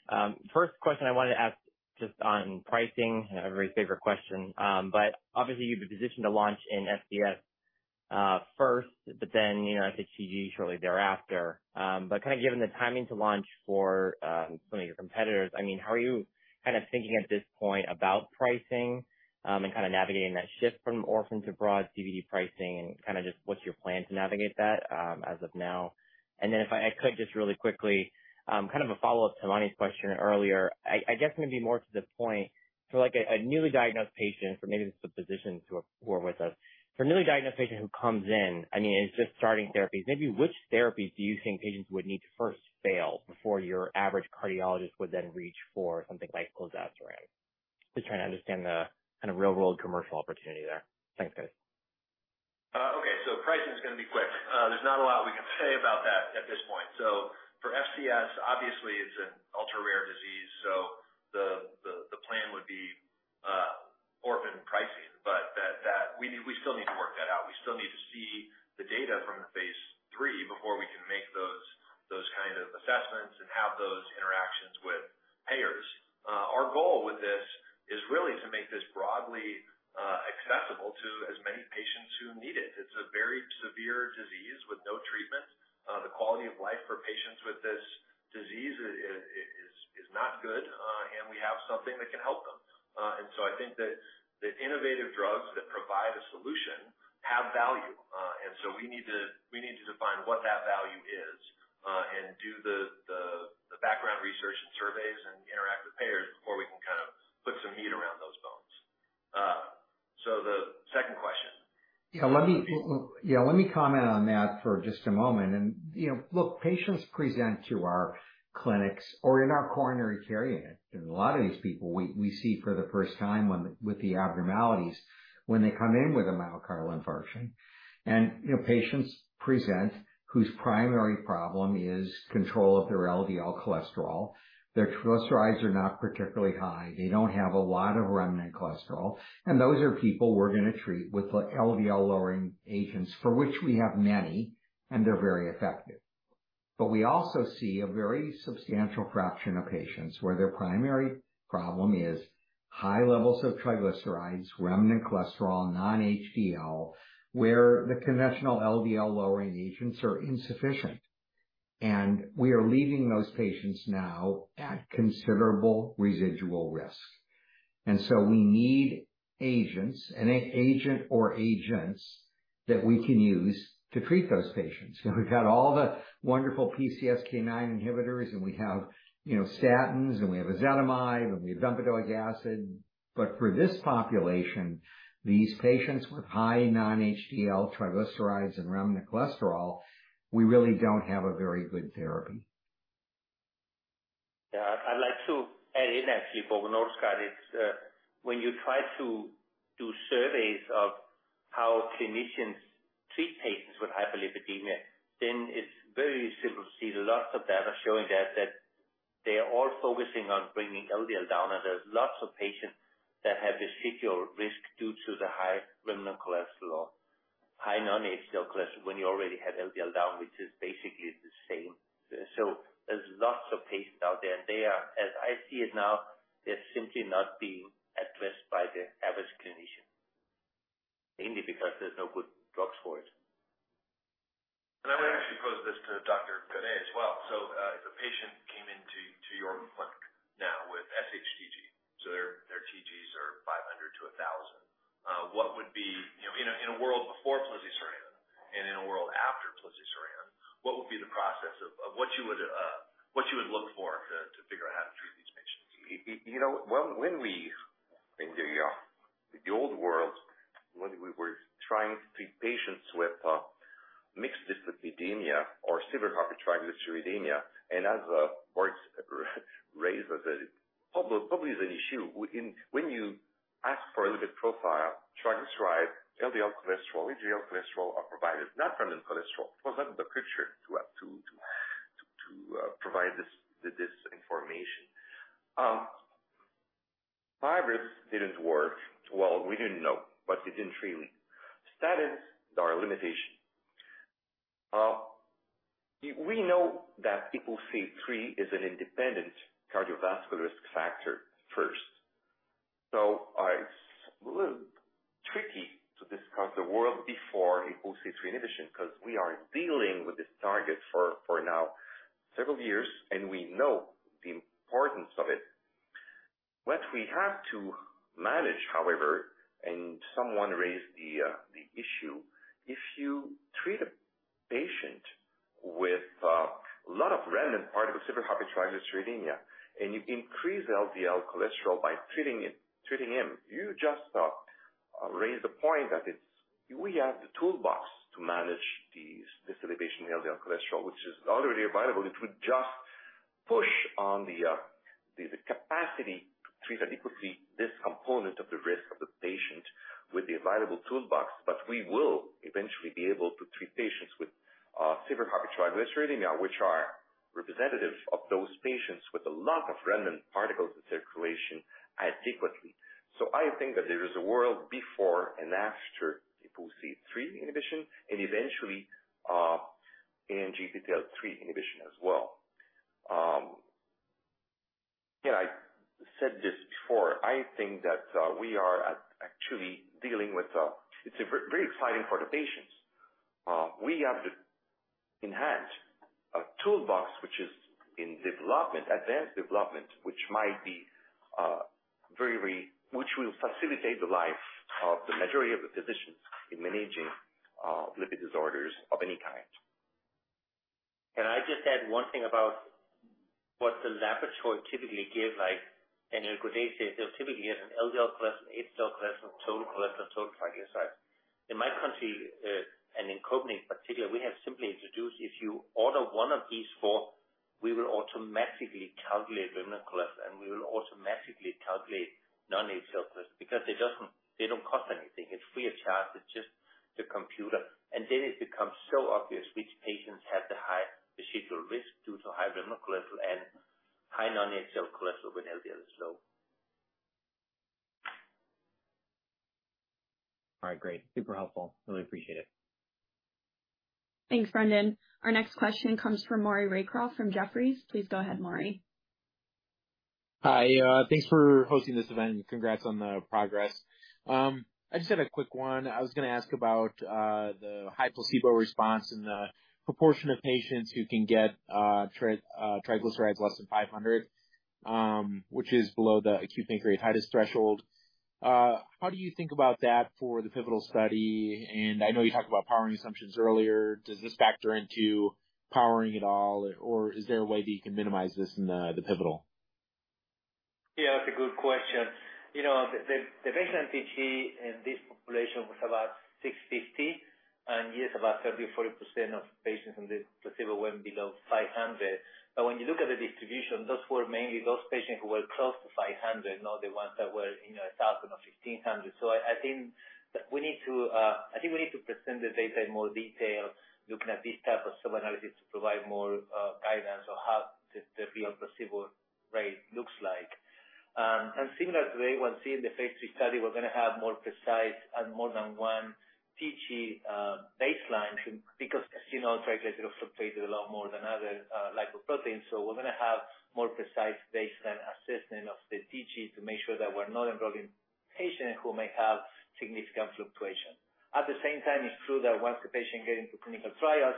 First question I wanted to ask, just on pricing, I know everybody's favorite question. But obviously you'd be positioned to launch in FCS, first, but then, you know, I think SHTG shortly thereafter. But kind of given the timing to launch for, some of your competitors, I mean, how are you kind of thinking at this point about pricing, and kind of navigating that shift from orphan to broad CVD pricing and kind of just what's your plan to navigate that, as of now? And then if I could just really quickly, kind of a follow-up to Mani's question earlier. I guess maybe more to the point for, like, a newly diagnosed patient or maybe it's the physician who are with us. For a newly diagnosed patient who comes in, I mean, and is just starting therapies, maybe which therapies do you think patients would need to first fail before your average cardiologist would then reach for something like Zodasiran? Just trying to understand the kind of real-world commercial opportunity there. Thanks, guys. Okay, so pricing is going to be quick. There's not a lot we can say about that at this point. So for FCS, obviously, it's an ultra-rare disease, so the plan would be orphan pricing, but that... we still need to work that out. We still need to see the data from the phase III before we can make those kind of assessments and have those interactions with payers. Our goal with this is really to make this broadly accessible to as many patients who need it. It's a very severe disease with no treatment. The quality of life for patients with this disease is not good, and we have something that can help them. And so I think that innovative drugs that provide a solution have value. And so we need to, we need to define what that value is, and do the background research and surveys and interact with payers before we can kind of put some meat around those bones. So the second question. Yeah, let me comment on that for just a moment. You know, look, patients present to our clinics or in our coronary care unit, and a lot of these people we see for the first time with the abnormalities when they come in with a myocardial infarction. You know, patients present whose primary problem is control of their LDL cholesterol. Their triglycerides are not particularly high. They don't have a lot of remnant cholesterol, and those are people we're going to treat with the LDL-lowering agents, for which we have many, and they're very effective. But we also see a very substantial fraction of patients, where their primary problem is high levels of triglycerides, remnant cholesterol, non-HDL, where the conventional LDL-lowering agents are insufficient. We are leaving those patients now at considerable residual risk, and so we need agents, an agent or agents that we can use to treat those patients. You know, we've got all the wonderful PCSK9 inhibitors, and we have, you know, statins, and we have ezetimibe, and we have bempedoic acid. But for this population, these patients with high non-HDL triglycerides and remnant cholesterol, we really don't have a very good therapy. Yeah. I'd like to add in actually, Bob and Scott, it's when you try to do surveys of how clinicians treat patients with hyperlipidemia, then it's very simple to see lots of data showing that they are all focusing on bringing LDL down. And there's lots of patients that have residual risk due to the high remnant cholesterol, high non-HDL cholesterol when you already have LDL down, which is basically the same. So there's lots of patients out there, and they are, as I see it now, they're simply not being addressed by the average clinician.... mainly because there's no good drugs for it. I want to actually pose this to Dr. Gaudet as well. So, if a patient came into your clinic now with SHTG, so their TGs are 500-1,000. What would be, you know, in a world before Plozasiran and in a world after Plozasiran, what would be the process of what you would look for to figure out how to treat these patients? You know, when we were trying to treat patients with mixed dyslipidemia or severe hypertriglyceridemia, and as Børge raised, it probably is an issue when you ask for a lipid profile. Triglycerides, LDL cholesterol, HDL cholesterol are provided, not remnant cholesterol. It was not in the picture to provide this information. Fibrates didn't work. Well, we didn't know, but it didn't really. Statins, there are limitations. We know that APOC3 is an independent cardiovascular risk factor. So it's a little tricky to discuss the world before APOC3 inhibition, because we are dealing with this target for now several years, and we know the importance of it. What we have to manage, however, and someone raised the issue, if you treat a patient with a lot of remnant particles, severe hypertriglyceridemia, and you increase LDL cholesterol by treating it, treating him, you just raise the point that it's... We have the toolbox to manage these, this elevation in LDL cholesterol, which is already available. It would just push on the capacity to treat adequately this component of the risk of the patient with the available toolbox. But we will eventually be able to treat patients with severe hypertriglyceridemia, which are representative of those patients with a lot of remnant particles in circulation adequately. So I think that there is a world before and after APOC3 inhibition, and eventually in ANGPTL3 inhibition as well. Yeah, I said this before, I think that we are actually dealing with, it's a very, very exciting for the patients. We have in hand a toolbox which is in development, advanced development, which will facilitate the life of the majority of the physicians in managing lipid disorders of any kind. Can I just add one thing about what the laboratory typically give, like, Dan Gaudet said, they'll typically get an LDL cholesterol, HDL cholesterol, total cholesterol, total triglyceride. In my country, and in Copenhagen, particular, we have simply introduced, if you order one of these four, we will automatically calculate remnant cholesterol, and we will automatically calculate non-HDL cholesterol because it doesn't, they don't cost anything. It's free of charge, it's just the computer. And then it becomes so obvious which patients have the high residual risk due to high remnant cholesterol and high non-HDL cholesterol with LDL, so. All right, great. Super helpful. Really appreciate it. Thanks, Brendan. Our next question comes from Maury Raycroft from Jefferies. Please go ahead, Maury. Hi, thanks for hosting this event, and congrats on the progress. I just had a quick one. I was going to ask about the high placebo response and the proportion of patients who can get triglycerides less than 500, which is below the acute pancreatitis threshold. How do you think about that for the pivotal study? And I know you talked about powering assumptions earlier. Does this factor into powering at all, or is there a way that you can minimize this in the pivotal? Yeah, that's a good question. You know, the patient TG in this population was about 650, and yes, about 30%-40% of patients in the placebo went below 500. But when you look at the distribution, those were mainly those patients who were close to 500, not the ones that were, you know, 1,000 or 1,500. So I think that we need to present the data in more detail, looking at this type of sub-analysis to provide more guidance on how the placebo rate looks like. And similar to today, once in the phase III study, we're going to have more precise and more than one TG baseline, because as you know, triglyceride fluctuates a lot more than other lipoproteins. So we're going to have more precise baseline assessment of the TG to make sure that we're not enrolling patients who may have significant fluctuation. At the same time, it's true that once the patient gets into clinical trials,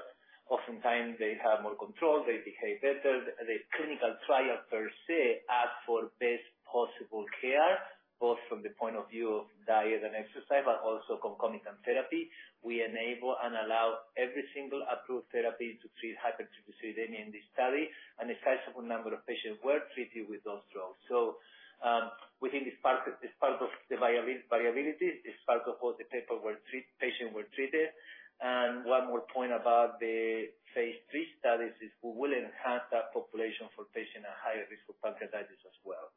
oftentimes they have more control, they behave better. The clinical trial per se asks for best possible care, both from the point of view of diet and exercise, but also concomitant therapy. We enable and allow every single approved therapy to treat hypertriglyceridemia in this study, and a sizable number of patients were treated with those drugs. So, we think it's part of the variability, it's part of all the patients were treated. And one more point about the phase three studies is we will enhance that population for patients at higher risk for pancreatitis as well.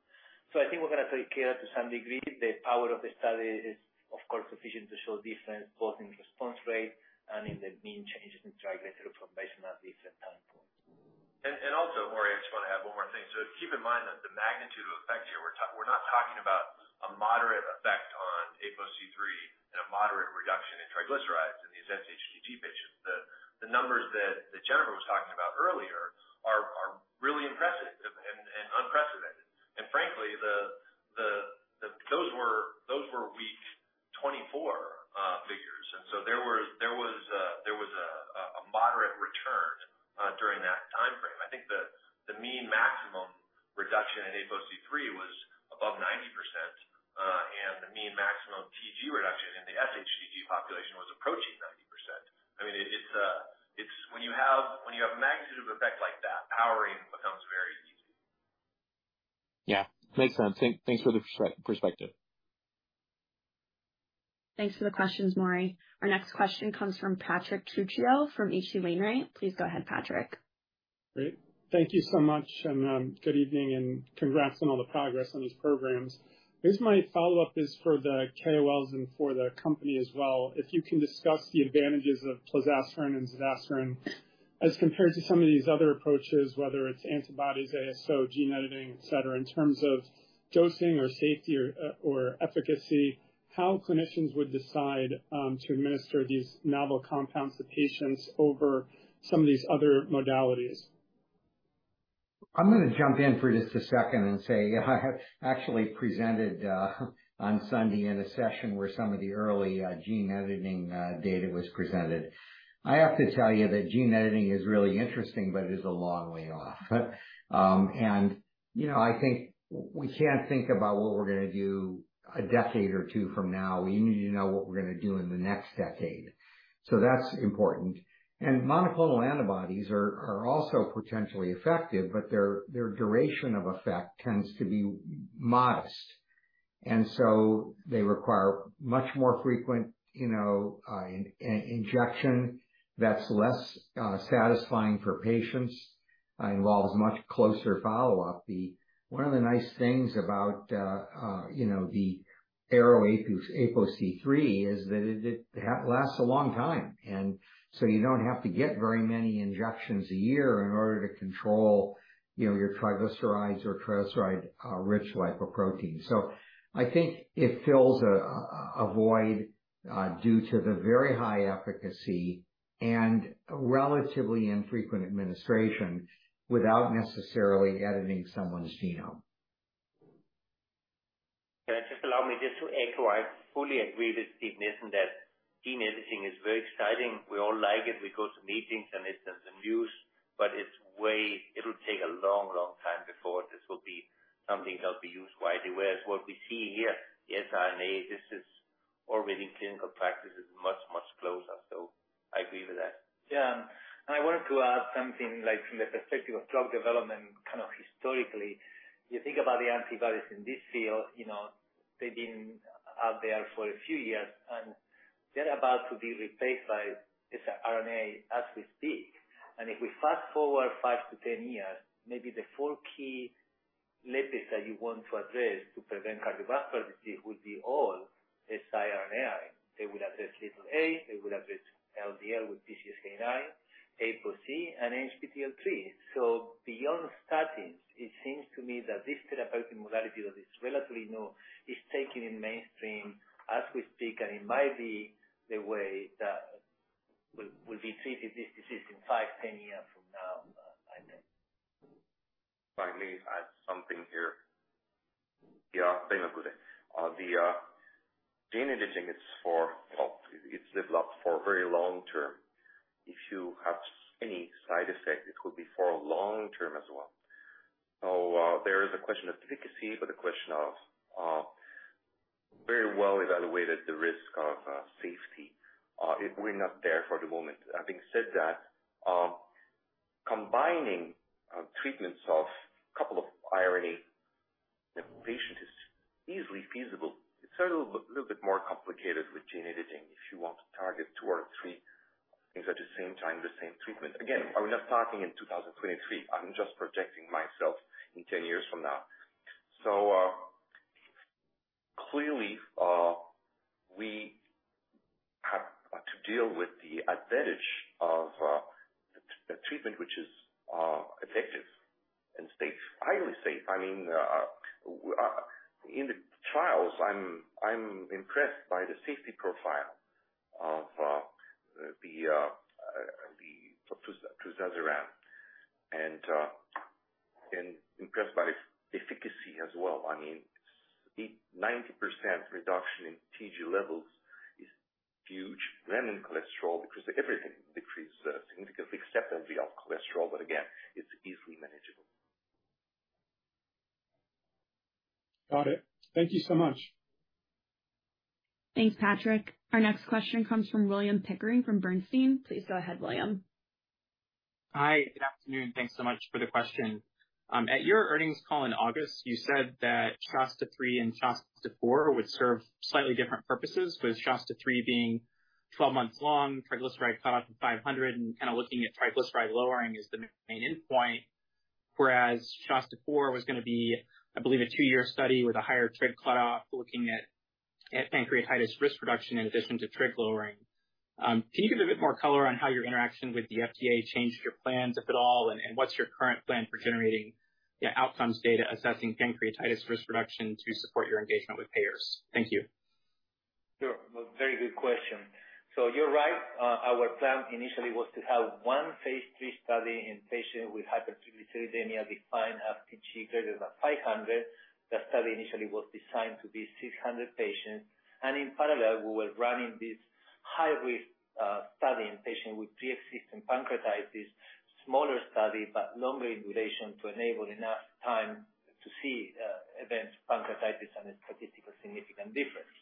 I think we're going to take care to some degree. The power of the study is, of course, sufficient to show difference both in response rate and in the mean changes in triglyceride from baseline at different time points. Also, Maury, I just want to add one more thing. So keep in mind that the magnitude of effect here, we're not talking about a moderate effect on APOC3 and a moderate reduction in triglycerides in these SHTG patients. The numbers that Jennifer was talking about earlier are really impressive. ... Those were week 24 figures. And so there was a moderate return during that time frame. I think the mean maximum reduction in ApoC3 was above 90%, and the mean maximum TG reduction in the SHTG population was approaching 90%. I mean, when you have a magnitude of effect like that, powering becomes very easy. Yeah, makes sense. Thanks for the perspective. Thanks for the questions, Maury. Our next question comes from Patrick Trucchio from H.C. Wainwright. Please go ahead, Patrick. Great. Thank you so much, and, good evening, and congrats on all the progress on these programs. I guess my follow-up is for the KOLs and for the company as well. If you can discuss the advantages of Plozasiran and Zodasiran as compared to some of these other approaches, whether it's antibodies, ASO, gene editing, et cetera, in terms of dosing or safety or, or efficacy, how clinicians would decide, to administer these novel compounds to patients over some of these other modalities? I'm going to jump in for just a second and say, I have actually presented on Sunday in a session where some of the early gene editing data was presented. I have to tell you that gene editing is really interesting, but it is a long way off. You know, I think we can't think about what we're going to do a decade or two from now. We need to know what we're going to do in the next decade. So that's important. And monoclonal antibodies are also potentially effective, but their duration of effect tends to be modest. And so they require much more frequent, you know, injection that's less satisfying for patients, involves much closer follow-up. One of the nice things about, you know, the ARO-APOC3 is that it lasts a long time, and so you don't have to get very many injections a year in order to control, you know, your triglycerides or triglyceride rich lipoprotein. So I think it fills a void due to the very high efficacy and relatively infrequent administration without necessarily editing someone's genome. Allow me just to echo, I fully agree with Steven Nissen that gene editing is very exciting. We all like it. We go to meetings, and it's in the news, but it's way... It'll take a long, long time before this will be something that will be used widely. Whereas what we see here, the siRNA, this is already in clinical practice, is much, much closer. So I agree with that. Yeah, and I wanted to add something, like, from the perspective of drug development, kind of historically, you think about the antibodies in this field, you know, they've been out there for a few years, and they're about to be replaced by this RNAi as we speak. And if we fast-forward five to 10 years, maybe the four key letters that you want to address to prevent cardiovascular disease will be all siRNA. They will address Lp(a), they will address LDL with PCSK9, ApoC3, and ANGPTL3. So beyond statins, it seems to me that this therapeutic modality that is relatively new, is taking in mainstream as we speak, and it might be the way that we, we'll be treating this disease in five, 10 years from now, I think. If I may add something here. Yeah, the gene editing is for; it's developed for very long term. If you have any side effects, it will be for a long term as well. So, there is a question of efficacy, but a question of very well evaluated the risk of safety. We're not there for the moment. Having said that, combining treatments of couple of RNA in a patient is easily feasible. It's a little bit, little bit more complicated with gene editing if you want to target two or three things at the same time, the same treatment. Again, I'm not talking in 2023. I'm just projecting myself in 10 years from now. So, clearly, we have to deal with the advantage of a treatment which is effective and safe, highly safe. I mean, in the trials, I'm impressed by the safety profile of the Plozasiran and impressed by the efficacy as well. I mean, the 90% reduction in TG levels is huge than in cholesterol because everything decreased significantly, except LDL cholesterol, but again, it's easily manageable. Got it. Thank you so much. Thanks, Patrick. Our next question comes from William Pickering, from Bernstein. Please go ahead, William. Hi, good afternoon. Thanks so much for the question. At your earnings call in August, you said that SHASTA-3 and SHASTA-4 would serve slightly different purposes, with SHASTA-3 being 12 months long, triglyceride cutoff of 500 and kind of looking at triglyceride lowering as the main endpoint. Whereas SHASTA-4 was going to be, I believe, a two-year study with a higher trig cutoff, looking at pancreatitis risk reduction in addition to trig lowering. Can you give a bit more color on how your interaction with the FDA changed your plans, if at all, and what's your current plan for generating the outcomes data assessing pancreatitis risk reduction to support your engagement with payers? Thank you.... Sure. Well, very good question. So you're right. Our plan initially was to have one phase 3 study in patients with hypertriglyceridemia, defined as TG greater than 500. The study initially was designed to be 600 patients, and in parallel, we were running this high-risk study in patients with pre-existing pancreatitis, smaller study, but longer duration, to enable enough time to see events, pancreatitis, and a statistically significant difference.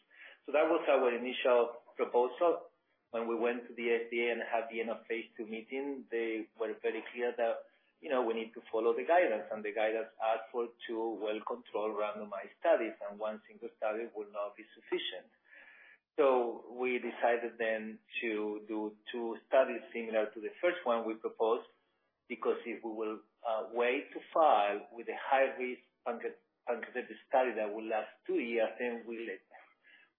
So that was our initial proposal. When we went to the FDA and had the end of phase II meeting, they were very clear that, you know, we need to follow the guidance, and the guidance asked for two well-controlled randomized studies, and one single study would not be sufficient. So we decided then to do two studies similar to the first one we proposed, because if we will wait to file with a high-risk pancreatitis study that will last two years, then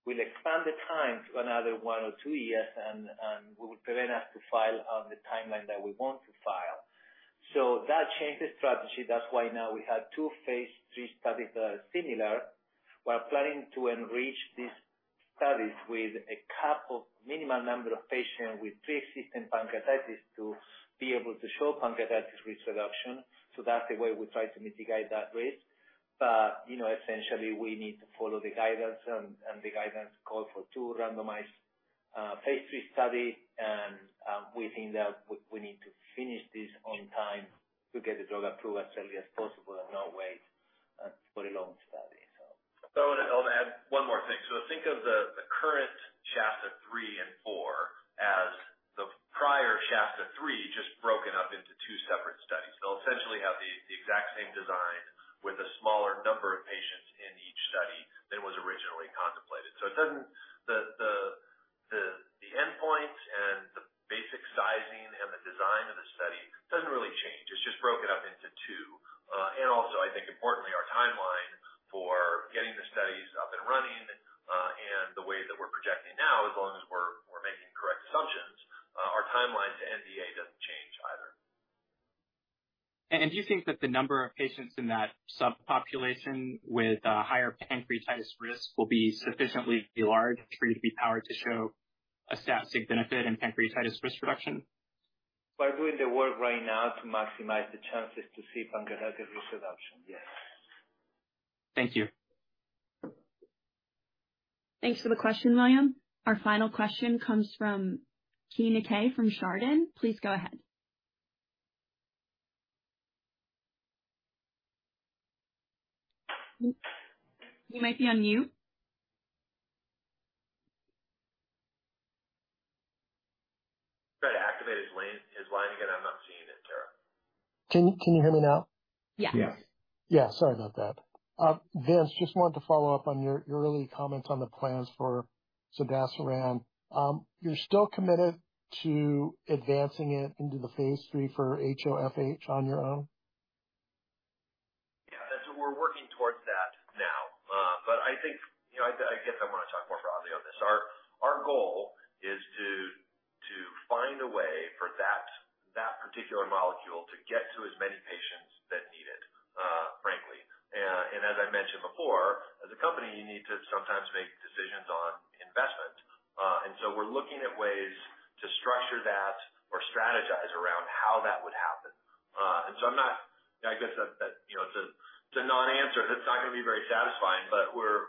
we'll expand the time to another one or two years and we will prevent us to file on the timeline that we want to file. So that changed the strategy. That's why now we have two phase III studies that are similar. We're planning to enrich these studies with a couple minimum number of patients with pre-existing pancreatitis, to be able to show pancreatitis risk reduction. So that's the way we try to mitigate that risk. But, you know, essentially, we need to follow the guidance, and the guidance call for two randomized phase III study. We think that we need to finish this on time to get the drug approved as early as possible and not wait for a long study, so. So and I'll add one more thing. Think of the current SHASTA-3 and SHASTA-4 as the prior SHASTA-3, just broken up into two separate studies. They'll essentially have the exact same design with a smaller number of patients in each study than was originally contemplated. So it doesn't. The endpoint and the basic sizing and the design of the study doesn't really change. It's just broken up into two. And also, I think importantly, our timeline for getting the studies up and running, and the way that we're projecting now, as long as we're making correct assumptions, our timeline to NDA doesn't change either. Do you think that the number of patients in that subpopulation with higher pancreatitis risk will be sufficiently large for you to be powered to show a statistic benefit in pancreatitis risk reduction? We're doing the work right now to maximize the chances to see pancreatitis risk reduction. Yes. Thank you. Thanks for the question, William. Our final question comes from Keay Nakae from Chardan. Please go ahead. You might be on mute. Try to activate his line, his line again. I'm not seeing it, Tara. Can you, can you hear me now? Yeah. Yes. Yeah, sorry about that. Vince, just wanted to follow up on your, your early comments on the plans for Zodasiran. You're still committed to advancing it into the phase III for HoFH on your own? Yeah, that's what we're working towards that now. But I think, you know, I guess I want to talk more broadly on this. Our goal is to find a way for that particular molecule to get to as many patients that need it, frankly. And as I mentioned before, as a company, you need to sometimes make decisions on investment. And so we're looking at ways to structure that or strategize around how that would happen. And so I'm not... I guess that, you know, to not answer that's not going to be very satisfying, but we're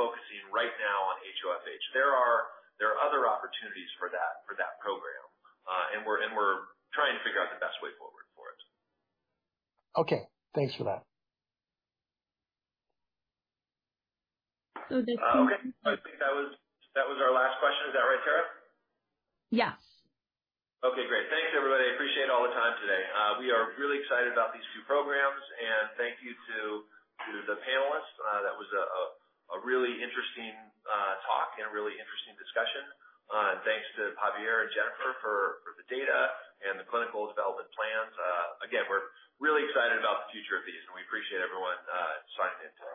focusing right now on HoFH. There are other opportunities for that program, and we're trying to figure out the best way forward for it. Okay. Thanks for that. So there's- Okay. I think that was, that was our last question. Is that right, Tara? Yes. Okay, great. Thanks, everybody. I appreciate all the time today. We are really excited about these two programs, and thank you to the panelists. That was a really interesting talk and a really interesting discussion. And thanks to Javier and Jennifer for the data and the clinical development plans. Again, we're really excited about the future of these, and we appreciate everyone signing in today.